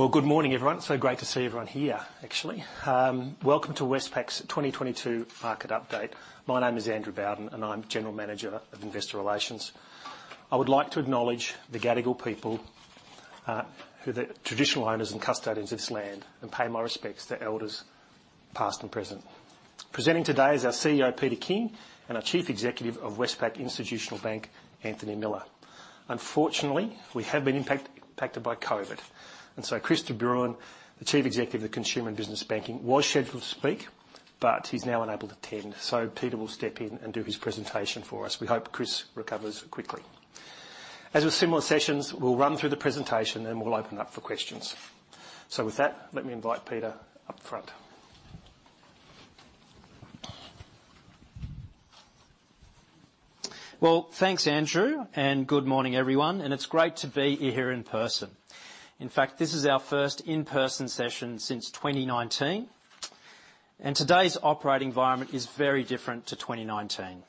Well, good morning, everyone. Great to see everyone here, actually. Welcome to Westpac's 2022 market update. My name is Andrew Bowden, and I'm General Manager of Investor Relations. I would like to acknowledge the Gadigal people, who are the traditional owners and custodians of this land, and pay my respects to elders past and present. Presenting today is our CEO, Peter King, and our Chief Executive of Westpac Institutional Bank, Anthony Miller. Unfortunately, we have been impacted by COVID, and Chris de Bruin, the Chief Executive of Consumer and Business Banking, was scheduled to speak, but he's now unable to attend, so Peter will step in and do his presentation for us. We hope Chris recovers quickly. As with similar sessions, we'll run through the presentation, then we'll open up for questions. With that, let me invite Peter up front. Well, thanks, Andrew, and good morning, everyone, and it's great to be here in person. In fact, this is our first in-person session since 2019, and today's operating environment is very different to 2019.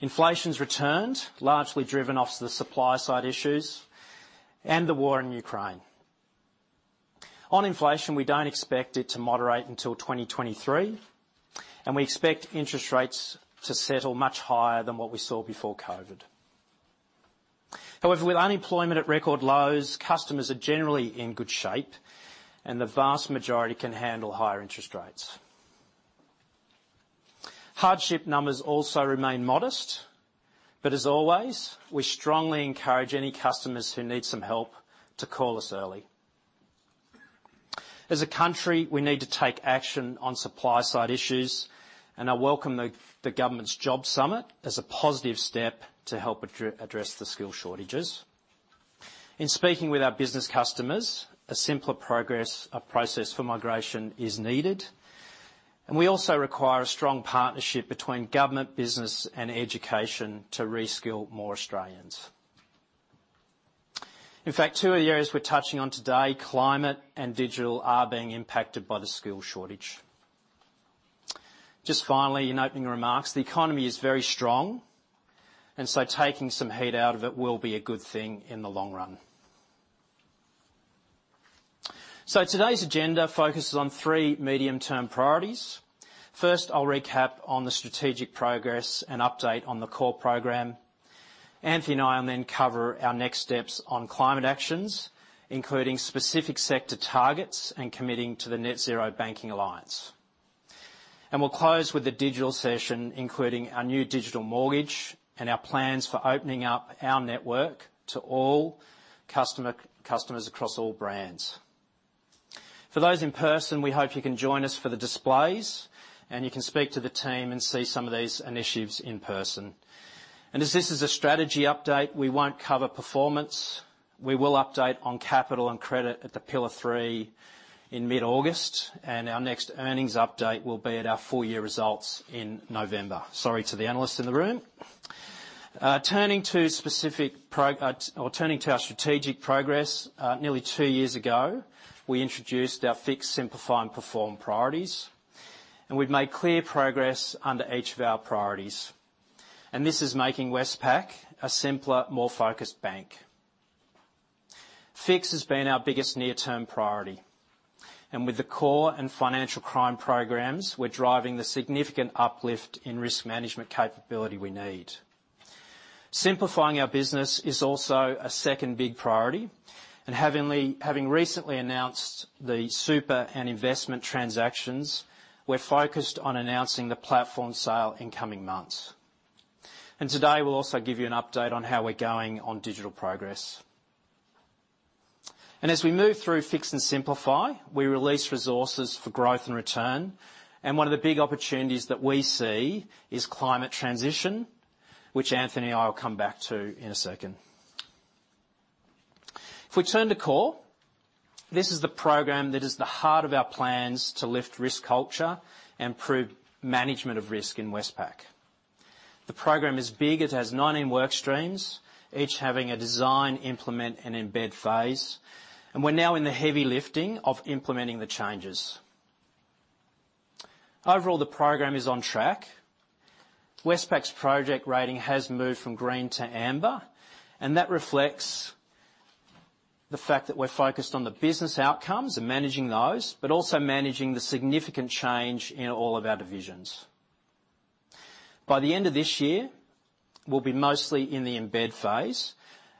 Inflation's returned, largely driven off the supply side issues and the war in Ukraine. On inflation, we don't expect it to moderate until 2023, and we expect interest rates to settle much higher than what we saw before COVID. However, with unemployment at record lows, customers are generally in good shape, and the vast majority can handle higher interest rates. Hardship numbers also remain modest, but as always, we strongly encourage any customers who need some help to call us early. As a country, we need to take action on supply side issues, and I welcome the government's job summit as a positive step to help address the skill shortages. In speaking with our business customers, a simpler process for migration is needed, and we also require a strong partnership between government, business, and education to reskill more Australians. In fact, two of the areas we're touching on today, climate and digital, are being impacted by the skill shortage. Just finally, in opening remarks, the economy is very strong, and so taking some heat out of it will be a good thing in the long run. Today's agenda focuses on three medium-term priorities. First, I'll recap on the strategic progress and update on the core program. Anthony and I will then cover our next steps on climate actions, including specific sector targets and committing to the Net-Zero Banking Alliance. We'll close with a digital session, including our new digital mortgage and our plans for opening up our network to all customers across all brands. For those in person, we hope you can join us for the displays, and you can speak to the team and see some of these initiatives in person. As this is a strategy update, we won't cover performance. We will update on capital and credit at the Pillar 3 in mid-August, and our next earnings update will be at our full year results in November. Sorry to the analysts in the room. Turning to our strategic progress, nearly two years ago, we introduced our Fix, Simplify, and Perform priorities, and we've made clear progress under each of our priorities. This is making Westpac a simpler, more focused bank. Fix has been our biggest near-term priority, and with the CORE and financial crime programs, we're driving the significant uplift in risk management capability we need. Simplifying our business is also a second big priority, and having recently announced the super and investment transactions, we're focused on announcing the platform sale in coming months. Today, we'll also give you an update on how we're going on digital progress. As we move through Fix and Simplify, we release resources for growth and return, and one of the big opportunities that we see is climate transition, which Anthony and I will come back to in a second. If we turn to Core, this is the program that is the heart of our plans to lift risk culture and improve management of risk in Westpac. The program is big. It has 19 work streams, each having a design, implement, and embed phase, and we're now in the heavy lifting of implementing the changes. Overall, the program is on track. Westpac's project rating has moved from green to amber, and that reflects the fact that we're focused on the business outcomes and managing those, but also managing the significant change in all of our divisions. By the end of this year, we'll be mostly in the embed phase,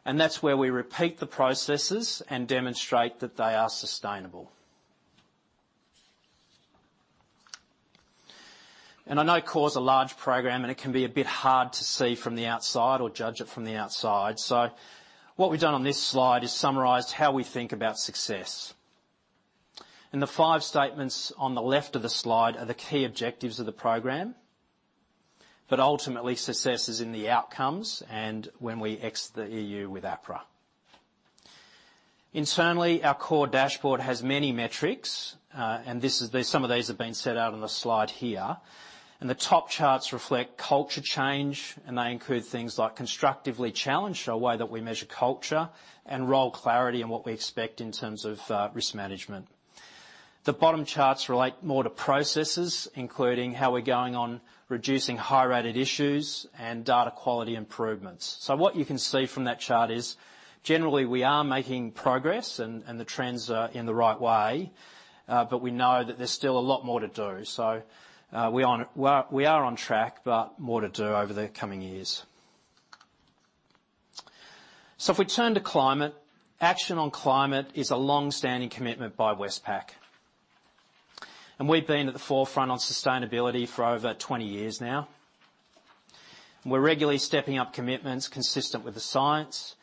and that's where we repeat the processes and demonstrate that they are sustainable. I know CORE's a large program, and it can be a bit hard to see from the outside or judge it from the outside. What we've done on this slide is summarized how we think about success. The five statements on the left of the slide are the key objectives of the program, but ultimately, success is in the outcomes and when we exit the EU with APRA. Internally, our CORE dashboard has many metrics, some of these have been set out on the slide here. The top charts reflect culture change, and they include things like constructively challenged, a way that we measure culture, and role clarity and what we expect in terms of risk management. The bottom charts relate more to processes, including how we're going on reducing high-rated issues and data quality improvements. What you can see from that chart is generally we are making progress and the trends are in the right way, but we know that there's still a lot more to do. We are on track, but more to do over the coming years. If we turn to climate, action on climate is a long-standing commitment by Westpac. We've been at the forefront on sustainability for over 20 years now. We're regularly stepping up commitments consistent with the science,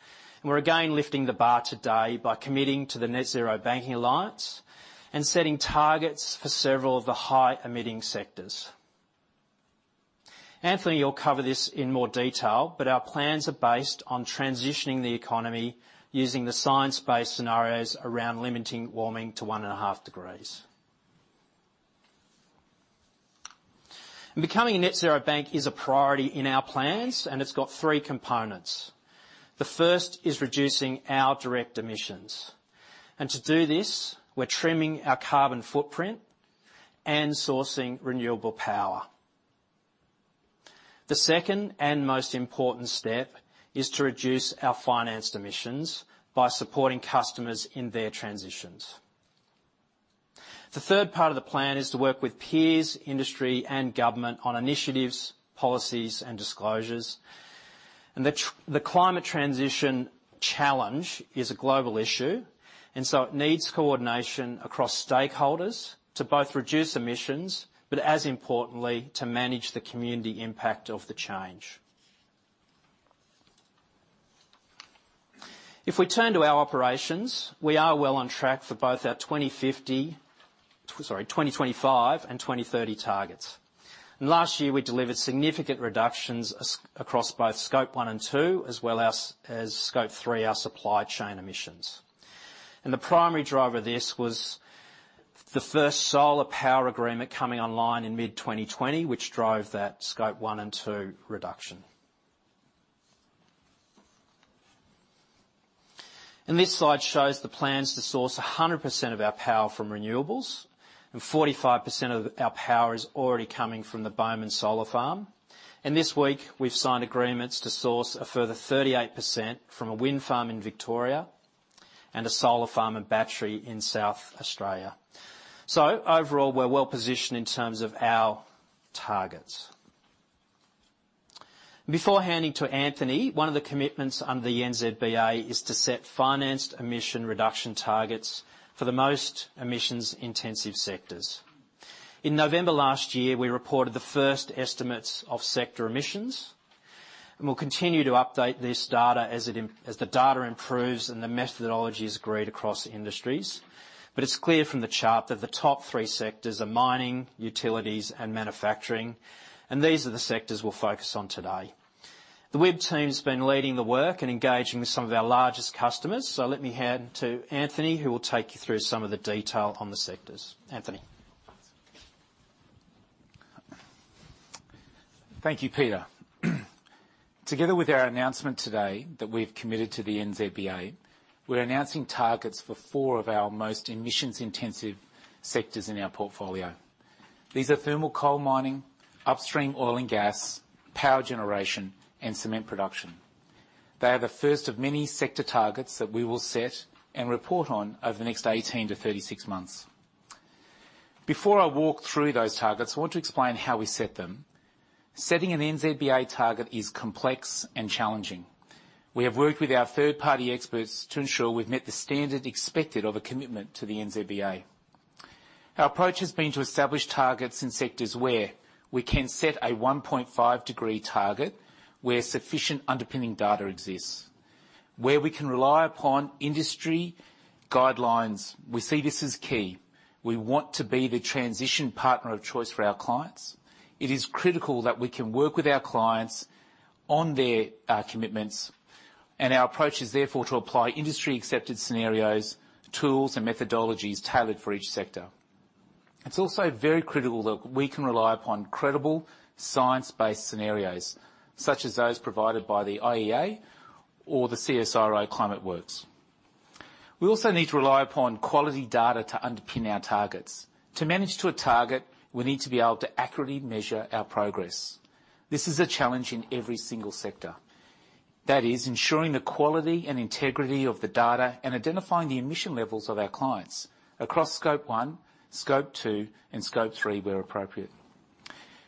and we're again lifting the bar today by committing to the Net-Zero Banking Alliance and setting targets for several of the high-emitting sectors. Anthony will cover this in more detail, but our plans are based on transitioning the economy using the science-based scenarios around limiting warming to 1.5 degrees. Becoming a net zero bank is a priority in our plans, and it's got three components. The first is reducing our direct emissions. To do this, we're trimming our carbon footprint and sourcing renewable power. The second and most important step is to reduce our financed emissions by supporting customers in their transitions. The third part of the plan is to work with peers, industry, and government on initiatives, policies, and disclosures. The climate transition challenge is a global issue, and so it needs coordination across stakeholders to both reduce emissions, but as importantly, to manage the community impact of the change. If we turn to our operations, we are well on track for both our 2025 and 2030 targets. Last year we delivered significant reductions across both Scope 1 and 2, as well as Scope 3, our supply chain emissions. The primary driver of this was the first solar power agreement coming online in mid-2020, which drove that Scope 1 and 2 reduction. This slide shows the plans to source 100% of our power from renewables, and 45% of our power is already coming from the Bomen Solar Farm. This week, we've signed agreements to source a further 38% from a wind farm in Victoria and a solar farm and battery in South Australia. Overall we're well positioned in terms of our targets. Before handing to Anthony, one of the commitments under the NZBA is to set financed emissions reduction targets for the most emissions-intensive sectors. In November last year, we reported the first estimates of sector emissions, and we'll continue to update this data as the data improves and the methodology is agreed across industries. It's clear from the chart that the top three sectors are mining, utilities, and manufacturing, and these are the sectors we'll focus on today. The WIB team's been leading the work and engaging with some of our largest customers. Let me hand to Anthony, who will take you through some of the detail on the sectors. Anthony? Thank you, Peter. Together with our announcement today that we have committed to the NZBA, we're announcing targets for four of our most emissions-intensive sectors in our portfolio. These are thermal coal mining, upstream oil and gas, power generation, and cement production. They are the first of many sector targets that we will set and report on over the next 18-36 months. Before I walk through those targets, I want to explain how we set them. Setting an NZBA target is complex and challenging. We have worked with our third-party experts to ensure we've met the standard expected of a commitment to the NZBA. Our approach has been to establish targets in sectors where we can set a 1.5-degree target, where sufficient underpinning data exists. Where we can rely upon industry guidelines, we see this as key. We want to be the transition partner of choice for our clients. It is critical that we can work with our clients on their commitments, and our approach is therefore to apply industry-accepted scenarios, tools, and methodologies tailored for each sector. It's also very critical that we can rely upon credible science-based scenarios, such as those provided by the IEA or the CSIRO and ClimateWorks. We also need to rely upon quality data to underpin our targets. To manage to a target, we need to be able to accurately measure our progress. This is a challenge in every single sector. That is ensuring the quality and integrity of the data and identifying the emission levels of our clients across Scope 1, Scope 2, and Scope 3 where appropriate.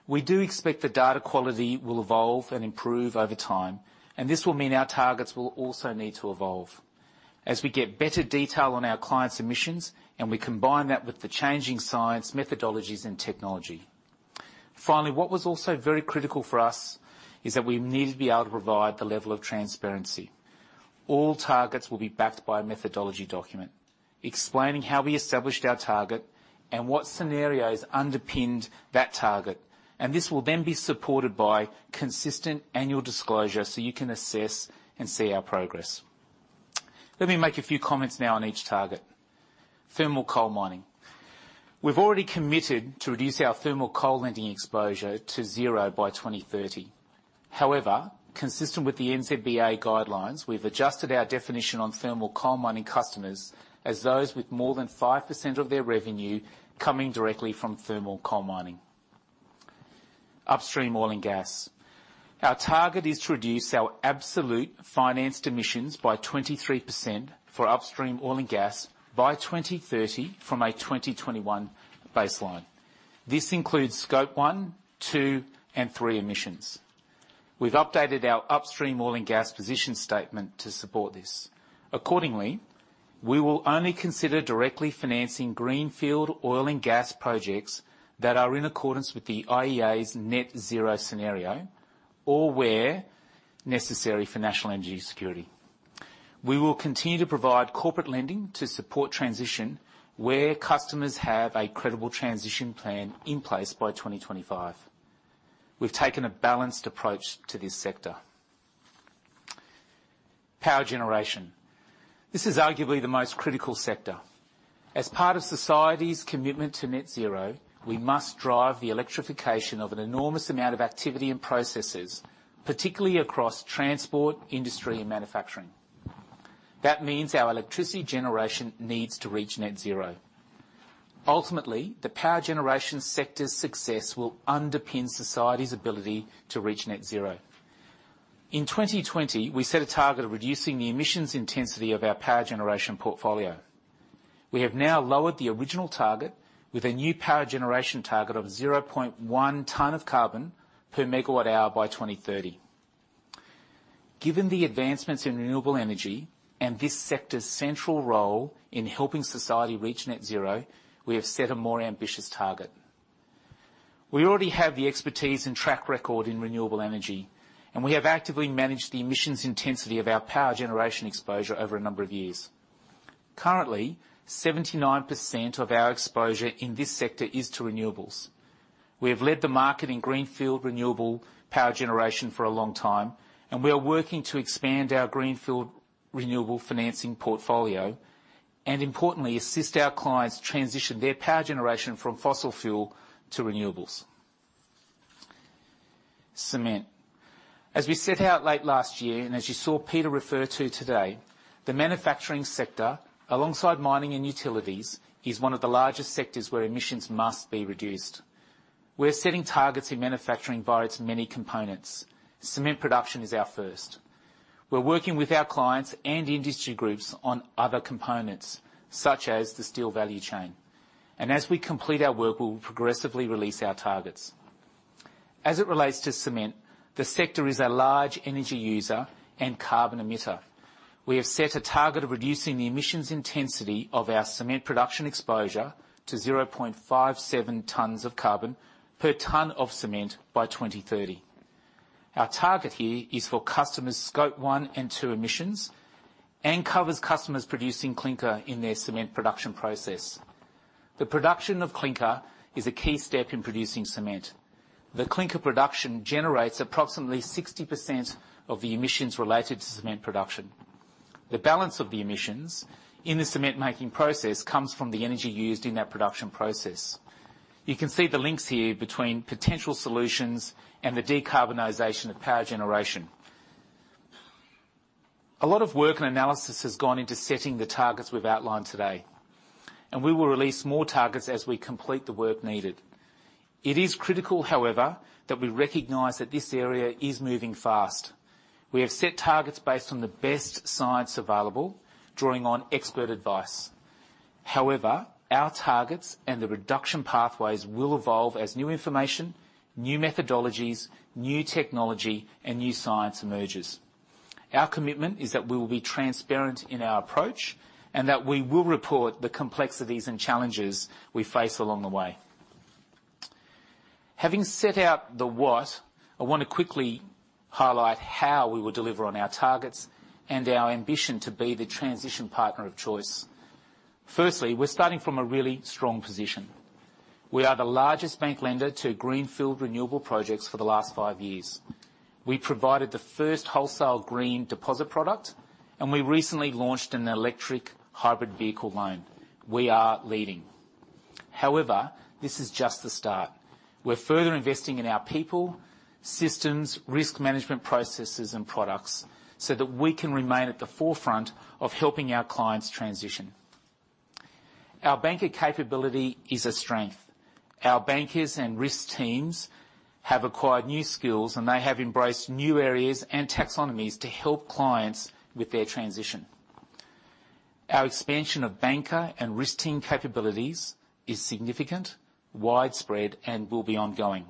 We do expect the data quality will evolve and improve over time, and this will mean our targets will also need to evolve as we get better detail on our clients' emissions, and we combine that with the changing science, methodologies, and technology. Finally, what was also very critical for us is that we need to be able to provide the level of transparency. All targets will be backed by a methodology document explaining how we established our target and what scenarios underpinned that target. This will then be supported by consistent annual disclosure, so you can assess and see our progress. Let me make a few comments now on each target. Thermal coal mining. We've already committed to reduce our thermal coal lending exposure to zero by 2030. However, consistent with the NZBA guidelines, we've adjusted our definition on thermal coal mining customers as those with more than 5% of their revenue coming directly from thermal coal mining. Upstream oil and gas. Our target is to reduce our absolute financed emissions by 23% for upstream oil and gas by 2030 from a 2021 baseline. This includes Scope 1, 2, and 3 emissions. We've updated our upstream oil and gas position statement to support this. Accordingly, we will only consider directly financing greenfield oil and gas projects that are in accordance with the IEA's net zero scenario or where necessary for national energy security. We will continue to provide corporate lending to support transition where customers have a credible transition plan in place by 2025. We've taken a balanced approach to this sector. Power generation. This is arguably the most critical sector. As part of society's commitment to net zero, we must drive the electrification of an enormous amount of activity and processes, particularly across transport, industry, and manufacturing. That means our electricity generation needs to reach net zero. Ultimately, the power generation sector's success will underpin society's ability to reach net zero. In 2020, we set a target of reducing the emissions intensity of our power generation portfolio. We have now lowered the original target with a new power generation target of 0.1 ton of carbon per megawatt hour by 2030. Given the advancements in renewable energy and this sector's central role in helping society reach net zero, we have set a more ambitious target. We already have the expertise and track record in renewable energy, and we have actively managed the emissions intensity of our power generation exposure over a number of years. Currently, 79% of our exposure in this sector is to renewables. We have led the market in greenfield renewable power generation for a long time, and we are working to expand our greenfield renewable financing portfolio. Importantly, assist our clients transition their power generation from fossil fuel to renewables. Cement. As we set out late last year and as you saw Peter refer to today, the manufacturing sector, alongside mining and utilities, is one of the largest sectors where emissions must be reduced. We're setting targets in manufacturing by its many components. Cement production is our first. We're working with our clients and industry groups on other components, such as the steel value chain. As we complete our work, we will progressively release our targets. As it relates to cement, the sector is a large energy user and carbon emitter. We have set a target of reducing the emissions intensity of our cement production exposure to 0.57 tons of carbon per ton of cement by 2030. Our target here is for customers Scope 1 and Scope 2 emissions and covers customers producing clinker in their cement production process. The production of clinker is a key step in producing cement. The clinker production generates approximately 60% of the emissions related to cement production. The balance of the emissions in the cement-making process comes from the energy used in that production process. You can see the links here between potential solutions and the decarbonization of power generation. A lot of work and analysis has gone into setting the targets we've outlined today, and we will release more targets as we complete the work needed. It is critical, however, that we recognize that this area is moving fast. We have set targets based on the best science available, drawing on expert advice. However, our targets and the reduction pathways will evolve as new information, new methodologies, new technology, and new science emerges. Our commitment is that we will be transparent in our approach, and that we will report the complexities and challenges we face along the way. Having set out the what, I want to quickly highlight how we will deliver on our targets and our ambition to be the transition partner of choice. Firstly, we're starting from a really strong position. We are the largest bank lender to greenfield renewable projects for the last five years. We provided the first wholesale green deposit product, and we recently launched an electric hybrid vehicle loan. We are leading. However, this is just the start. We're further investing in our people, systems, risk management processes, and products so that we can remain at the forefront of helping our clients transition. Our banker capability is a strength. Our bankers and risk teams have acquired new skills, and they have embraced new areas and taxonomies to help clients with their transition. Our expansion of banker and risk team capabilities is significant, widespread, and will be ongoing.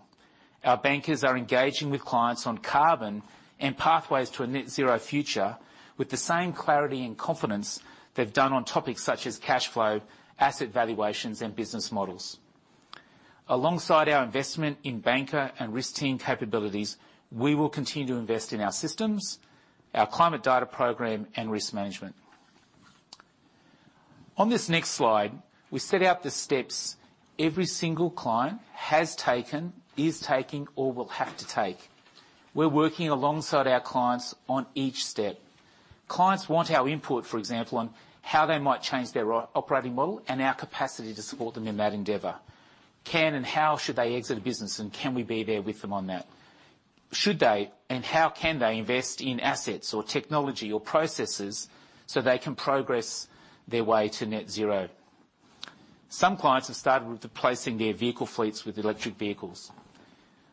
Our bankers are engaging with clients on carbon and pathways to a net zero future with the same clarity and confidence they've done on topics such as cash flow, asset valuations, and business models. Alongside our investment in banker and risk team capabilities, we will continue to invest in our systems, our climate data program, and risk management. On this next slide, we set out the steps every single client has taken, is taking, or will have to take. We're working alongside our clients on each step. Clients want our input, for example, on how they might change their operating model and our capacity to support them in that endeavor. Can and how should they exit business, and can we be there with them on that? Should they, and how can they invest in assets or technology or processes so they can progress their way to net zero? Some clients have started with replacing their vehicle fleets with electric vehicles,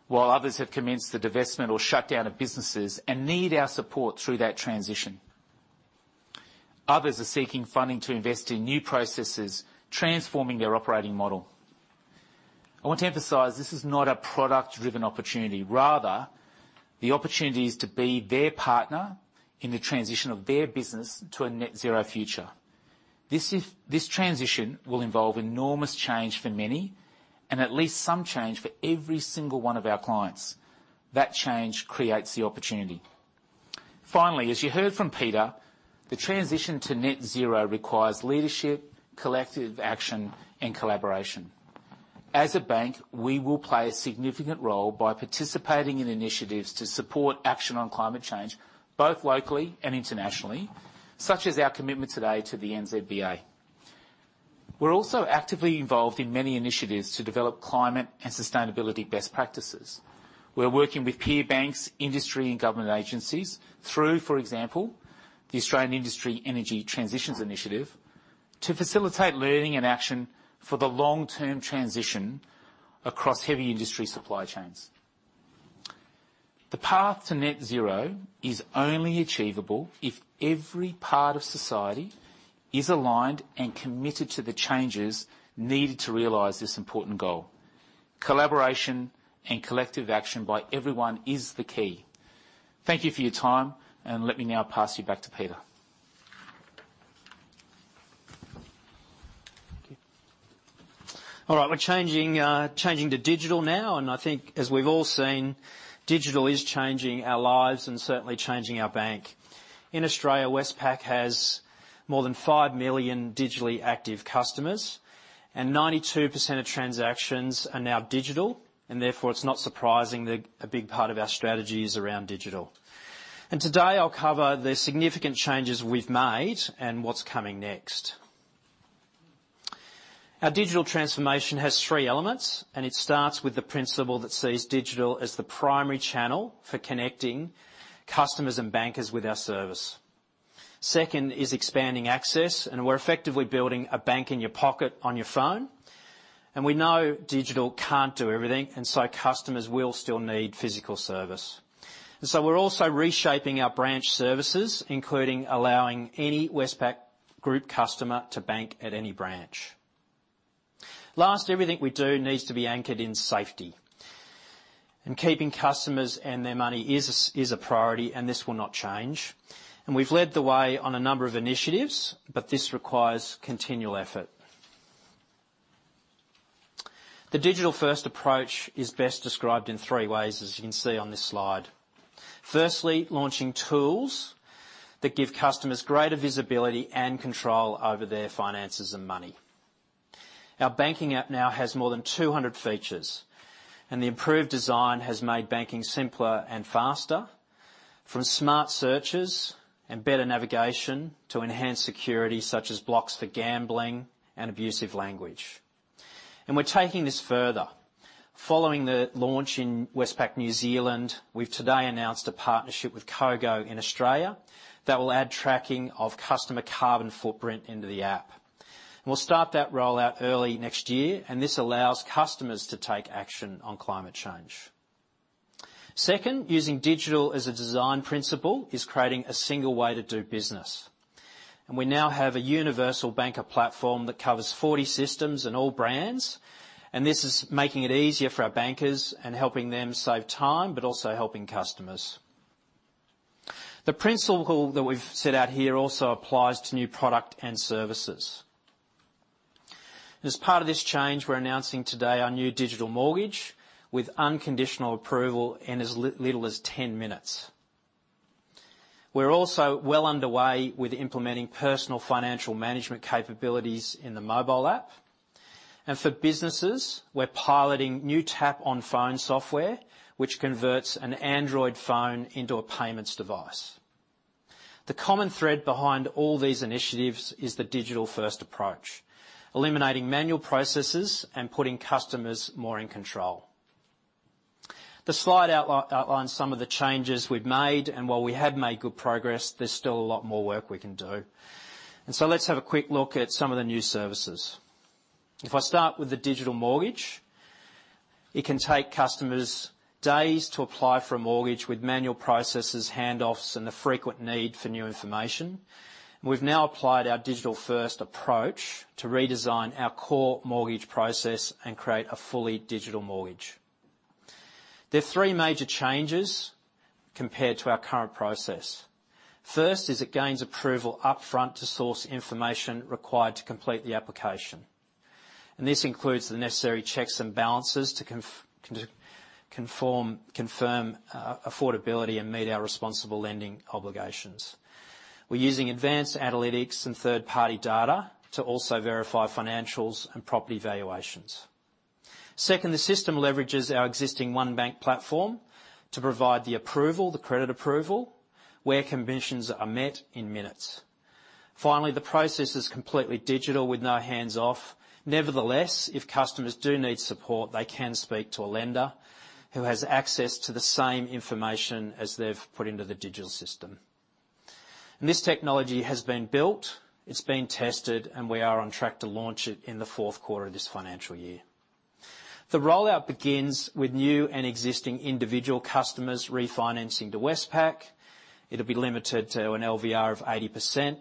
while others have commenced the divestment or shutdown of businesses and need our support through that transition. Others are seeking funding to invest in new processes, transforming their operating model. I want to emphasize this is not a product-driven opportunity. Rather, the opportunity is to be their partner in the transition of their business to a net zero future. This transition will involve enormous change for many and at least some change for every single one of our clients. That change creates the opportunity. Finally, as you heard from Peter, the transition to net zero requires leadership, collective action, and collaboration. As a bank, we will play a significant role by participating in initiatives to support action on climate change, both locally and internationally, such as our commitment today to the NZBA. We're also actively involved in many initiatives to develop climate and sustainability best practices. We're working with peer banks, industry, and government agencies through, for example, the Australian Industry Energy Transitions Initiative to facilitate learning and action for the long-term transition across heavy industry supply chains. The path to net zero is only achievable if every part of society is aligned and committed to the changes needed to realize this important goal. Collaboration and collective action by everyone is the key. Thank you for your time, and let me now pass you back to Peter. All right. We're changing to digital now, and I think as we've all seen, digital is changing our lives and certainly changing our bank. In Australia, Westpac has more than five million digitally active customers, and 92% of transactions are now digital, and therefore, it's not surprising that a big part of our strategy is around digital. Today, I'll cover the significant changes we've made and what's coming next. Our digital transformation has three elements, and it starts with the principle that sees digital as the primary channel for connecting customers and bankers with our service. Second is expanding access, and we're effectively building a bank in your pocket on your phone, and we know digital can't do everything, and so customers will still need physical service. We're also reshaping our branch services, including allowing any Westpac Group customer to bank at any branch. Last, everything we do needs to be anchored in safety. Keeping customers and their money is a priority, and this will not change. We've led the way on a number of initiatives, but this requires continual effort. The digital-first approach is best described in three ways, as you can see on this slide. Firstly, launching tools that give customers greater visibility and control over their finances and money. Our banking app now has more than 200 features, and the improved design has made banking simpler and faster, from smart searches and better navigation to enhanced security, such as blocks for gambling and abusive language. We're taking this further. Following the launch in Westpac New Zealand, we've today announced a partnership with Cogo in Australia that will add tracking of customer carbon footprint into the app. We'll start that rollout early next year, and this allows customers to take action on climate change. Second, using digital as a design principle is creating a single way to do business. We now have a universal banker platform that covers 40 systems and all brands, and this is making it easier for our bankers and helping them save time, but also helping customers. The principle that we've set out here also applies to new product and services. As part of this change, we're announcing today our new digital mortgage with unconditional approval in as little as 10 minutes. We're also well underway with implementing personal financial management capabilities in the mobile app. For businesses, we're piloting new Tap on Phone software, which converts an Android phone into a payments device. The common thread behind all these initiatives is the digital-first approach, eliminating manual processes and putting customers more in control. The slide outlines some of the changes we've made, and while we have made good progress, there's still a lot more work we can do. Let's have a quick look at some of the new services. If I start with the digital mortgage, it can take customers days to apply for a mortgage with manual processes, handoffs, and the frequent need for new information. We've now applied our digital-first approach to redesign our core mortgage process and create a fully digital mortgage. There are three major changes compared to our current process. First, it gains approval upfront to source information required to complete the application, and this includes the necessary checks and balances to confirm affordability and meet our responsible lending obligations. We're using advanced analytics and third-party data to also verify financials and property valuations. Second, the system leverages our existing Westpac One platform to provide the approval, the credit approval, where conditions are met in minutes. Finally, the process is completely digital with no hands-off. Nevertheless, if customers do need support, they can speak to a lender who has access to the same information as they've put into the digital system. This technology has been built, it's been tested, and we are on track to launch it in the fourth quarter of this financial year. The rollout begins with new and existing individual customers refinancing to Westpac. It'll be limited to an LVR of 80%,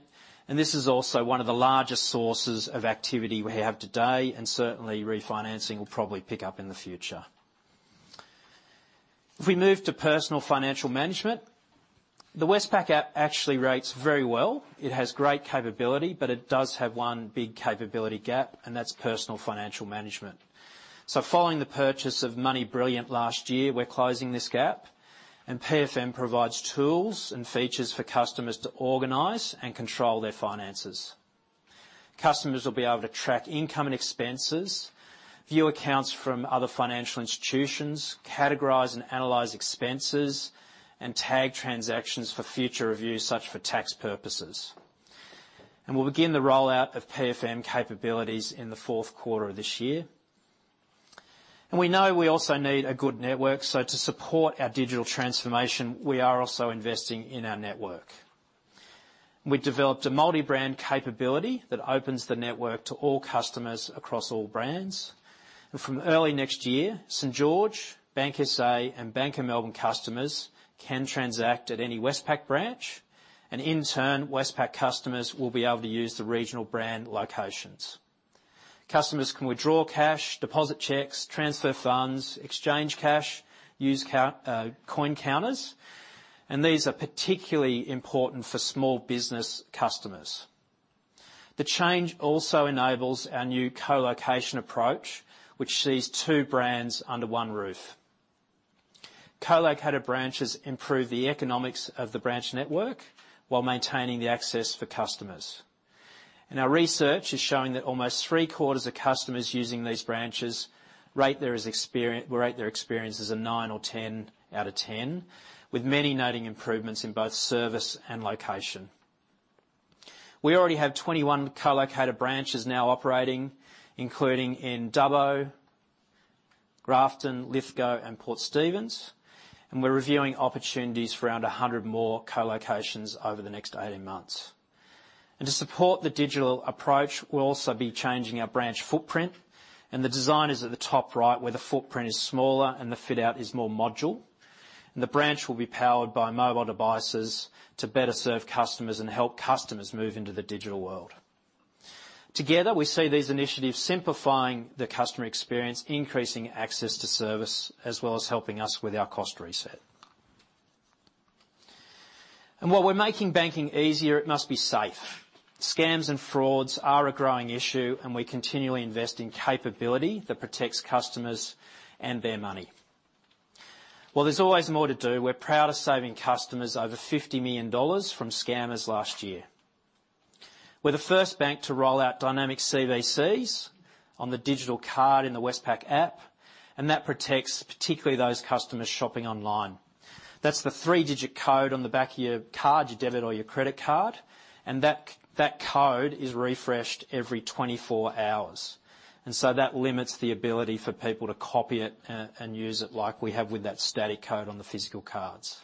and this is also one of the largest sources of activity we have today, and certainly refinancing will probably pick up in the future. If we move to personal financial management, the Westpac app actually rates very well. It has great capability, but it does have one big capability gap, and that's personal financial management. Following the purchase of MoneyBrilliant last year, we're closing this gap, and PFM provides tools and features for customers to organize and control their finances. Customers will be able to track income and expenses, view accounts from other financial institutions, categorize and analyze expenses, and tag transactions for future review, such as for tax purposes. We'll begin the rollout of PFM capabilities in the fourth quarter of this year. We know we also need a good network, so to support our digital transformation, we are also investing in our network. We developed a multi-brand capability that opens the network to all customers across all brands. From early next year, St.George, BankSA, and Bank of Melbourne customers can transact at any Westpac branch, and in turn, Westpac customers will be able to use the regional brand locations. Customers can withdraw cash, deposit checks, transfer funds, exchange cash, use coin counters, and these are particularly important for small business customers. The change also enables our new co-location approach, which sees two brands under one roof. Co-located branches improve the economics of the branch network while maintaining the access for customers. Our research is showing that almost three-quarters of customers using these branches rate their experience as a nine or 10 out of 10, with many noting improvements in both service and location. We already have 21 co-located branches now operating, including in Dubbo, Grafton, Lithgow, and Port Stephens, and we're reviewing opportunities for around 100 more co-locations over the next 18 months. To support the digital approach, we'll also be changing our branch footprint, and the design is at the top right, where the footprint is smaller, and the fit-out is more modular. The branch will be powered by mobile devices to better serve customers and help customers move into the digital world. Together, we see these initiatives simplifying the customer experience, increasing access to service, as well as helping us with our cost reset. While we're making banking easier, it must be safe. Scams and frauds are a growing issue, and we continually invest in capability that protects customers and their money. While there's always more to do, we're proud of saving customers over 50 million dollars from scammers last year. We're the first bank to roll out dynamic CVCs on the digital card in the Westpac app, and that protects particularly those customers shopping online. That's the three-digit code on the back of your card, your debit or your credit card, and that code is refreshed every 24 hours. That limits the ability for people to copy it and use it like we have with that static code on the physical cards.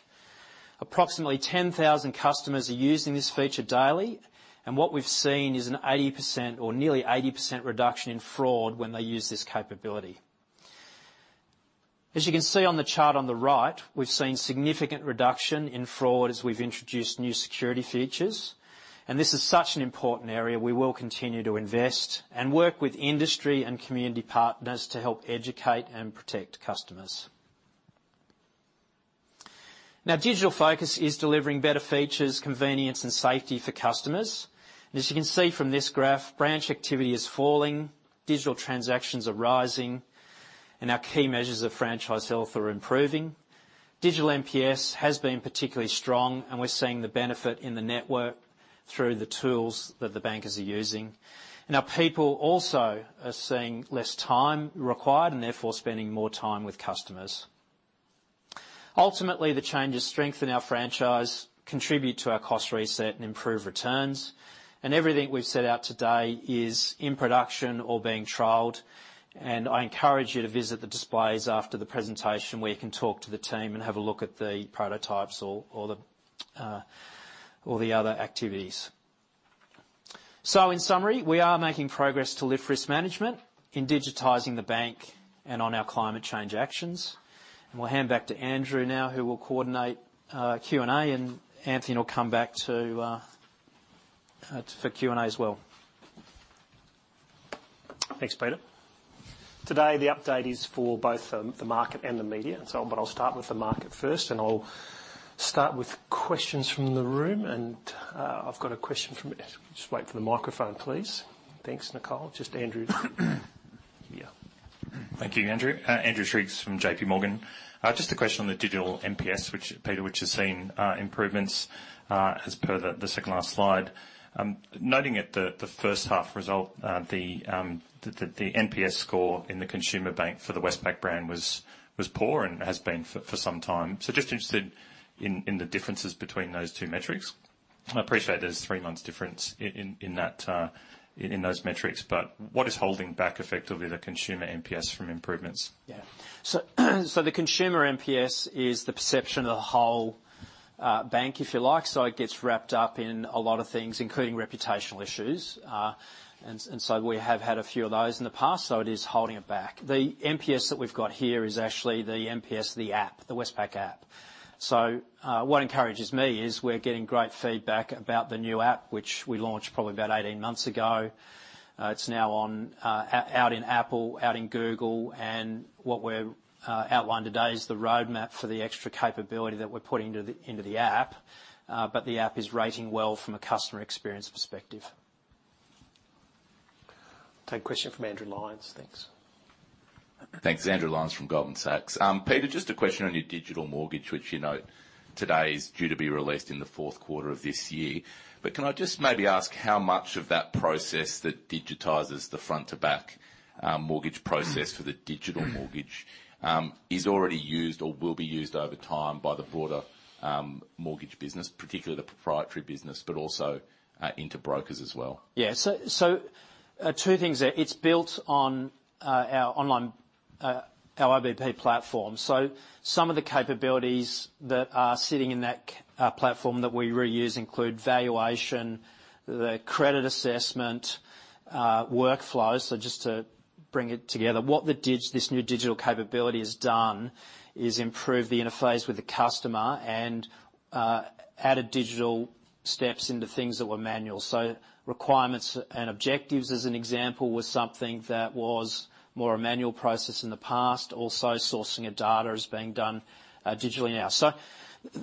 Approximately 10,000 customers are using this feature daily, and what we've seen is an 80% or nearly 80% reduction in fraud when they use this capability. As you can see on the chart on the right, we've seen significant reduction in fraud as we've introduced new security features, and this is such an important area. We will continue to invest and work with industry and community partners to help educate and protect customers. Now, digital focus is delivering better features, convenience, and safety for customers. As you can see from this graph, branch activity is falling, digital transactions are rising, and our key measures of franchise health are improving. Digital NPS has been particularly strong, and we're seeing the benefit in the network through the tools that the bankers are using. Our people also are seeing less time required and therefore spending more time with customers. Ultimately, the changes strengthen our franchise, contribute to our cost reset, and improve returns. Everything we've set out today is in production or being trialed, and I encourage you to visit the displays after the presentation where you can talk to the team and have a look at the prototypes or the other activities. In summary, we are making progress to lift risk management in digitizing the bank and on our climate change actions. We'll hand back to Andrew now, who will coordinate Q&A, and Anthony will come back to for Q&A as well. Thanks, Peter. Today, the update is for both, the market and the media, but I'll start with the market first, and I'll start with questions from the room. I've got a question from. Just wait for the microphone, please. Thanks, Nicole. Just Andrew here. Thank you, Andrew. Andrew Triggs from JP Morgan. Just a question on the digital NPS, which, Peter, has seen improvements as per the second last slide. Noting at the first half result, the NPS score in the consumer bank for the Westpac brand was poor and has been for some time. Just interested in the differences between those two metrics. I appreciate there's three months difference in that, in those metrics, but what is holding back effectively the consumer NPS from improvements? The consumer NPS is the perception of the whole bank, if you like. It gets wrapped up in a lot of things, including reputational issues. We have had a few of those in the past, so it is holding it back. The NPS that we've got here is actually the NPS, the app, the Westpac app. What encourages me is we're getting great feedback about the new app, which we launched probably about 18 months ago. It's now out in Apple, out in Google, and what we've outlined today is the roadmap for the extra capability that we're putting into the app. The app is rating well from a customer experience perspective. Take a question from Andrew Lyons. Thanks. Thanks. Andrew Lyons from Goldman Sachs. Peter, just a question on your digital mortgage, which you note today is due to be released in the fourth quarter of this year. Can I just maybe ask how much of that process that digitizes the front to back, mortgage process for the digital mortgage, is already used or will be used over time by the broader, mortgage business, particularly the proprietary business, but also, into brokers as well? Two things there. It's built on our online IBP platform. Some of the capabilities that are sitting in that platform that we reuse include valuation, the credit assessment, workflows. Just to bring it together, what this new digital capability has done is improve the interface with the customer and added digital steps into things that were manual. Requirements and objectives, as an example, was something that was more a manual process in the past. Also, sourcing of data is being done digitally now.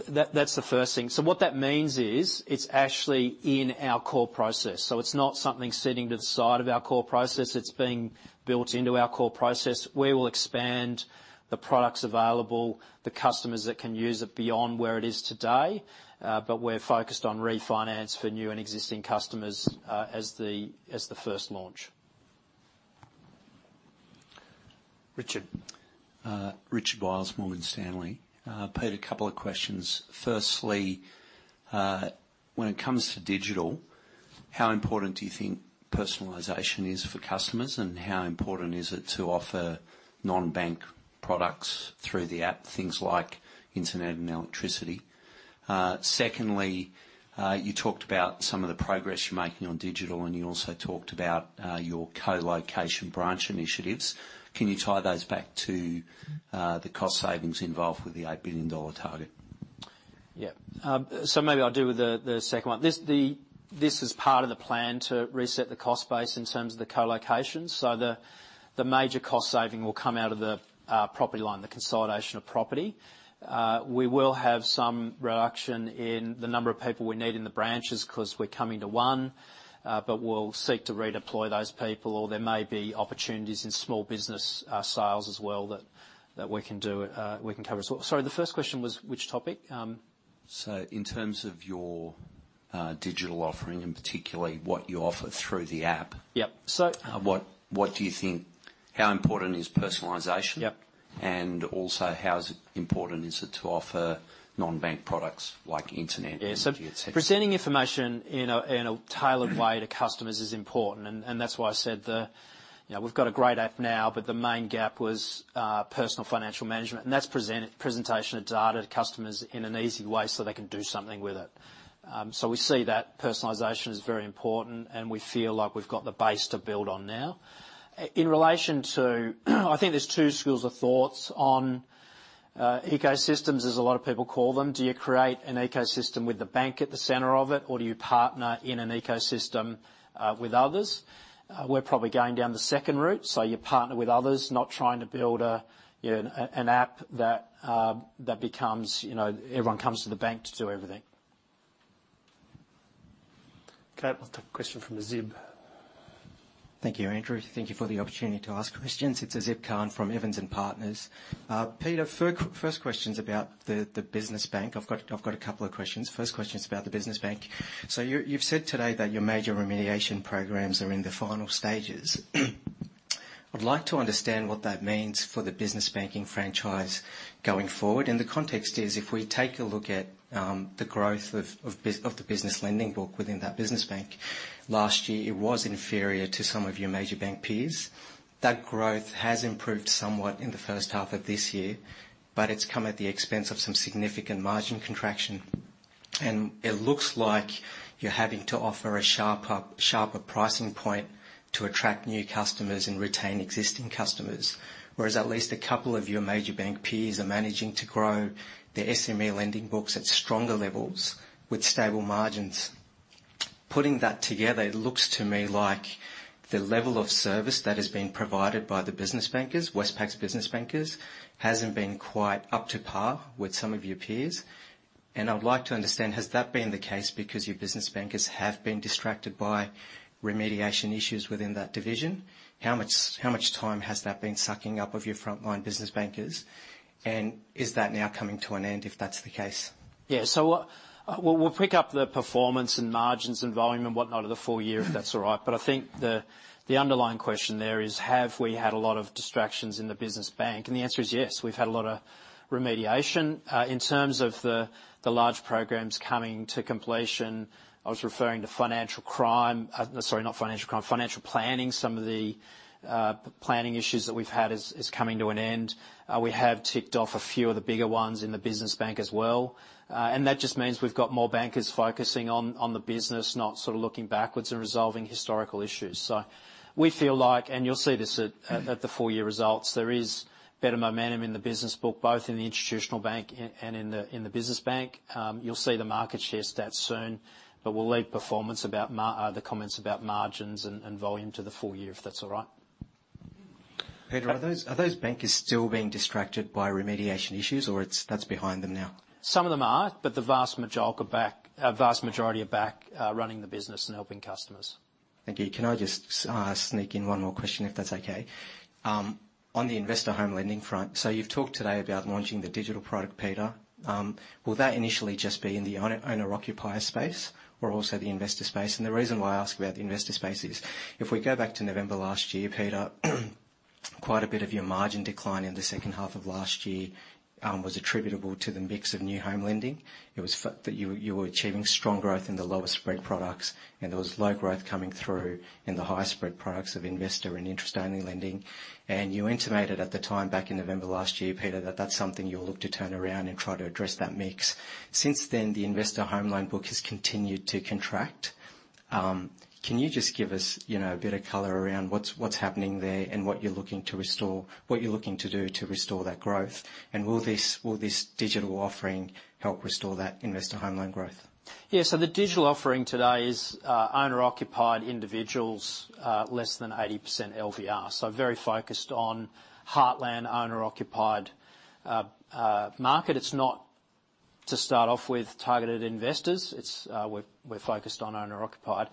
That, that's the first thing. What that means is it's actually in our core process, so it's not something sitting to the side of our core process. It's being built into our core process. We will expand the products available, the customers that can use it beyond where it is today. We're focused on refinance for new and existing customers, as the first launch. Richard. Richard Wiles, Morgan Stanley. Peter, a couple of questions. Firstly, when it comes to digital, how important do you think personalization is for customers, and how important is it to offer non-bank products through the app, things like internet and electricity? Secondly, you talked about some of the progress you're making on digital, and you also talked about your co-location branch initiatives. Can you tie those back to the cost savings involved with the 8 billion dollar target? Yeah, maybe I'll deal with the second one. This is part of the plan to reset the cost base in terms of the co-location. The major cost saving will come out of the property line, the consolidation of property. We will have some reduction in the number of people we need in the branches 'cause we're coming to one, but we'll seek to redeploy those people or there may be opportunities in small business sales as well that we can do, we can cover as well. Sorry, the first question was which topic? In terms of your digital offering and particularly what you offer through the app. Yep. What do you think, how important is personalization? Yep. How important is it to offer non-bank products like insurance and et cetera? Yeah, presenting information in a tailored way to customers is important, and that's why I said, you know, we've got a great app now, but the main gap was personal financial management, and that's presentation of data to customers in an easy way so they can do something with it. We see that personalization is very important, and we feel like we've got the base to build on now. In relation to, I think there's two schools of thoughts on ecosystems, as a lot of people call them. Do you create an ecosystem with the bank at the center of it, or do you partner in an ecosystem with others? We're probably going down the second route. You partner with others, not trying to build a you know an app that becomes you know everyone comes to the bank to do everything. Okay, we'll take a question from Azib Khan. Thank you, Andrew. Thank you for the opportunity to ask questions. It's Azib Khan from Evans & Partners. Peter, first question's about the business bank. I've got a couple of questions. First question's about the business bank. You said today that your major remediation programs are in the final stages. I'd like to understand what that means for the business banking franchise going forward, and the context is if we take a look at the growth of the business lending book within that business bank, last year it was inferior to some of your major bank peers. That growth has improved somewhat in the first half of this year, but it's come at the expense of some significant margin contraction. It looks like you're having to offer a sharper pricing point to attract new customers and retain existing customers. Whereas at least a couple of your major bank peers are managing to grow their SME lending books at stronger levels with stable margins. Putting that together, it looks to me like the level of service that is being provided by the business bankers, Westpac's business bankers, hasn't been quite up to par with some of your peers. I would like to understand, has that been the case because your business bankers have been distracted by remediation issues within that division? How much time has that been sucking up of your frontline business bankers? Is that now coming to an end, if that's the case? We'll pick up the performance and margins and volume and whatnot of the full year, if that's all right. I think the underlying question there is, have we had a lot of distractions in the business bank? The answer is yes, we've had a lot of remediation. In terms of the large programs coming to completion, I was referring to financial planning. Some of the planning issues that we've had is coming to an end. We have ticked off a few of the bigger ones in the business bank as well. That just means we've got more bankers focusing on the business, not sort of looking backwards and resolving historical issues. We feel like, and you'll see this at the full year results, there is better momentum in the business book, both in the Institutional Bank and in the business bank. You'll see the market share stats soon, but we'll leave performance about the comments about margins and volume to the full year, if that's all right. Peter, are those bankers still being distracted by remediation issues, or that's behind them now? Some of them are, but a vast majority are back, running the business and helping customers. Thank you. Can I just sneak in one more question, if that's okay? On the investor home lending front, so you've talked today about launching the digital product, Peter. Will that initially just be in the owner-occupier space or also the investor space? The reason why I ask about the investor space is, if we go back to November last year, Peter, quite a bit of your margin decline in the second half of last year was attributable to the mix of new home lending. It was that you were achieving strong growth in the lower spread products, and there was low growth coming through in the high spread products of investor and interest-only lending. You intimated at the time, back in November last year, Peter, that that's something you'll look to turn around and try to address that mix. Since then, the investor home loan book has continued to contract. Can you just give us, you know, a bit of color around what's happening there and what you're looking to restore, what you're looking to do to restore that growth? Will this digital offering help restore that investor home loan growth? The digital offering today is owner-occupied individuals less than 80% LVR. Very focused on heartland owner-occupied market. It's not to start off with targeted investors. It's we're focused on owner-occupied.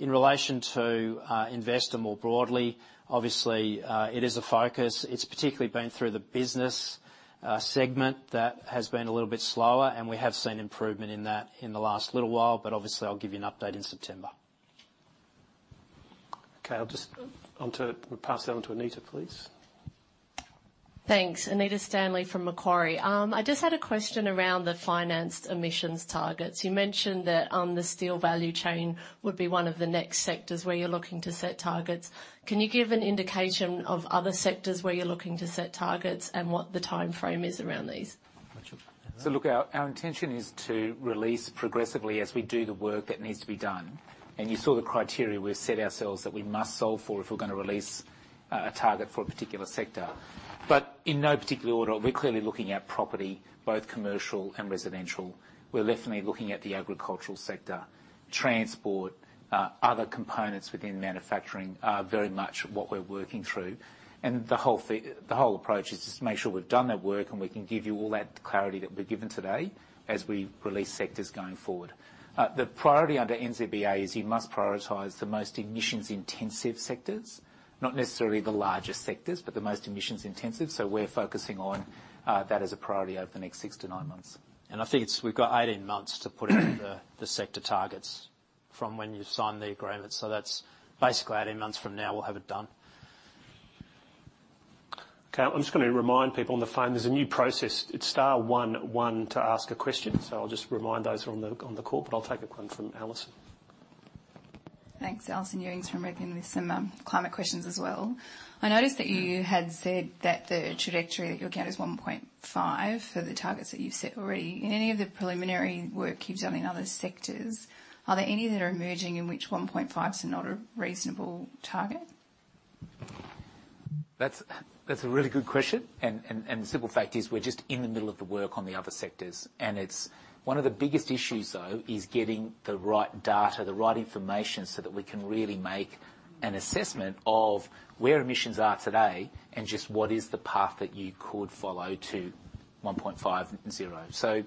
In relation to investor more broadly, obviously, it is a focus. It's particularly been through the business segment that has been a little bit slower, and we have seen improvement in that in the last little while. Obviously, I'll give you an update in September. Okay. I'll just pass that on to Anita, please. Thanks. Anita Stanley from Macquarie. I just had a question around the financed emissions targets. You mentioned that the steel value chain would be one of the next sectors where you're looking to set targets. Can you give an indication of other sectors where you're looking to set targets and what the timeframe is around these? Anthony. Look, our intention is to release progressively as we do the work that needs to be done. You saw the criteria we've set ourselves that we must solve for if we're gonna release a target for a particular sector. In no particular order, we're clearly looking at property, both commercial and residential. We're definitely looking at the agricultural sector, transport, other components within manufacturing, are very much what we're working through. The whole approach is just to make sure we've done that work, and we can give you all that clarity that we've given today as we release sectors going forward. The priority under NZBA is you must prioritize the most emissions-intensive sectors. Not necessarily the largest sectors, but the most emissions intensive. We're focusing on that as a priority over the next six to nine months. I think it's, we've got 18 months to put in the sector targets from when you sign the agreement. That's basically 18 months from now, we'll have it done. Okay. I'm just gonna remind people on the phone, there's a new process. It's star one one to ask a question. I'll just remind those who are on the call, but I'll take a one from Alison. Thanks. Alison Ewings from Regnan with some climate questions as well. I noticed that you had said that the trajectory that you count is 1.5 for the targets that you've set already. In any of the preliminary work you've done in other sectors, are there any that are emerging in which 1.5's not a reasonable target? That's a really good question. The simple fact is we're just in the middle of the work on the other sectors. It's one of the biggest issues, though, is getting the right data, the right information, so that we can really make an assessment of where emissions are today and just what is the path that you could follow to 1.50.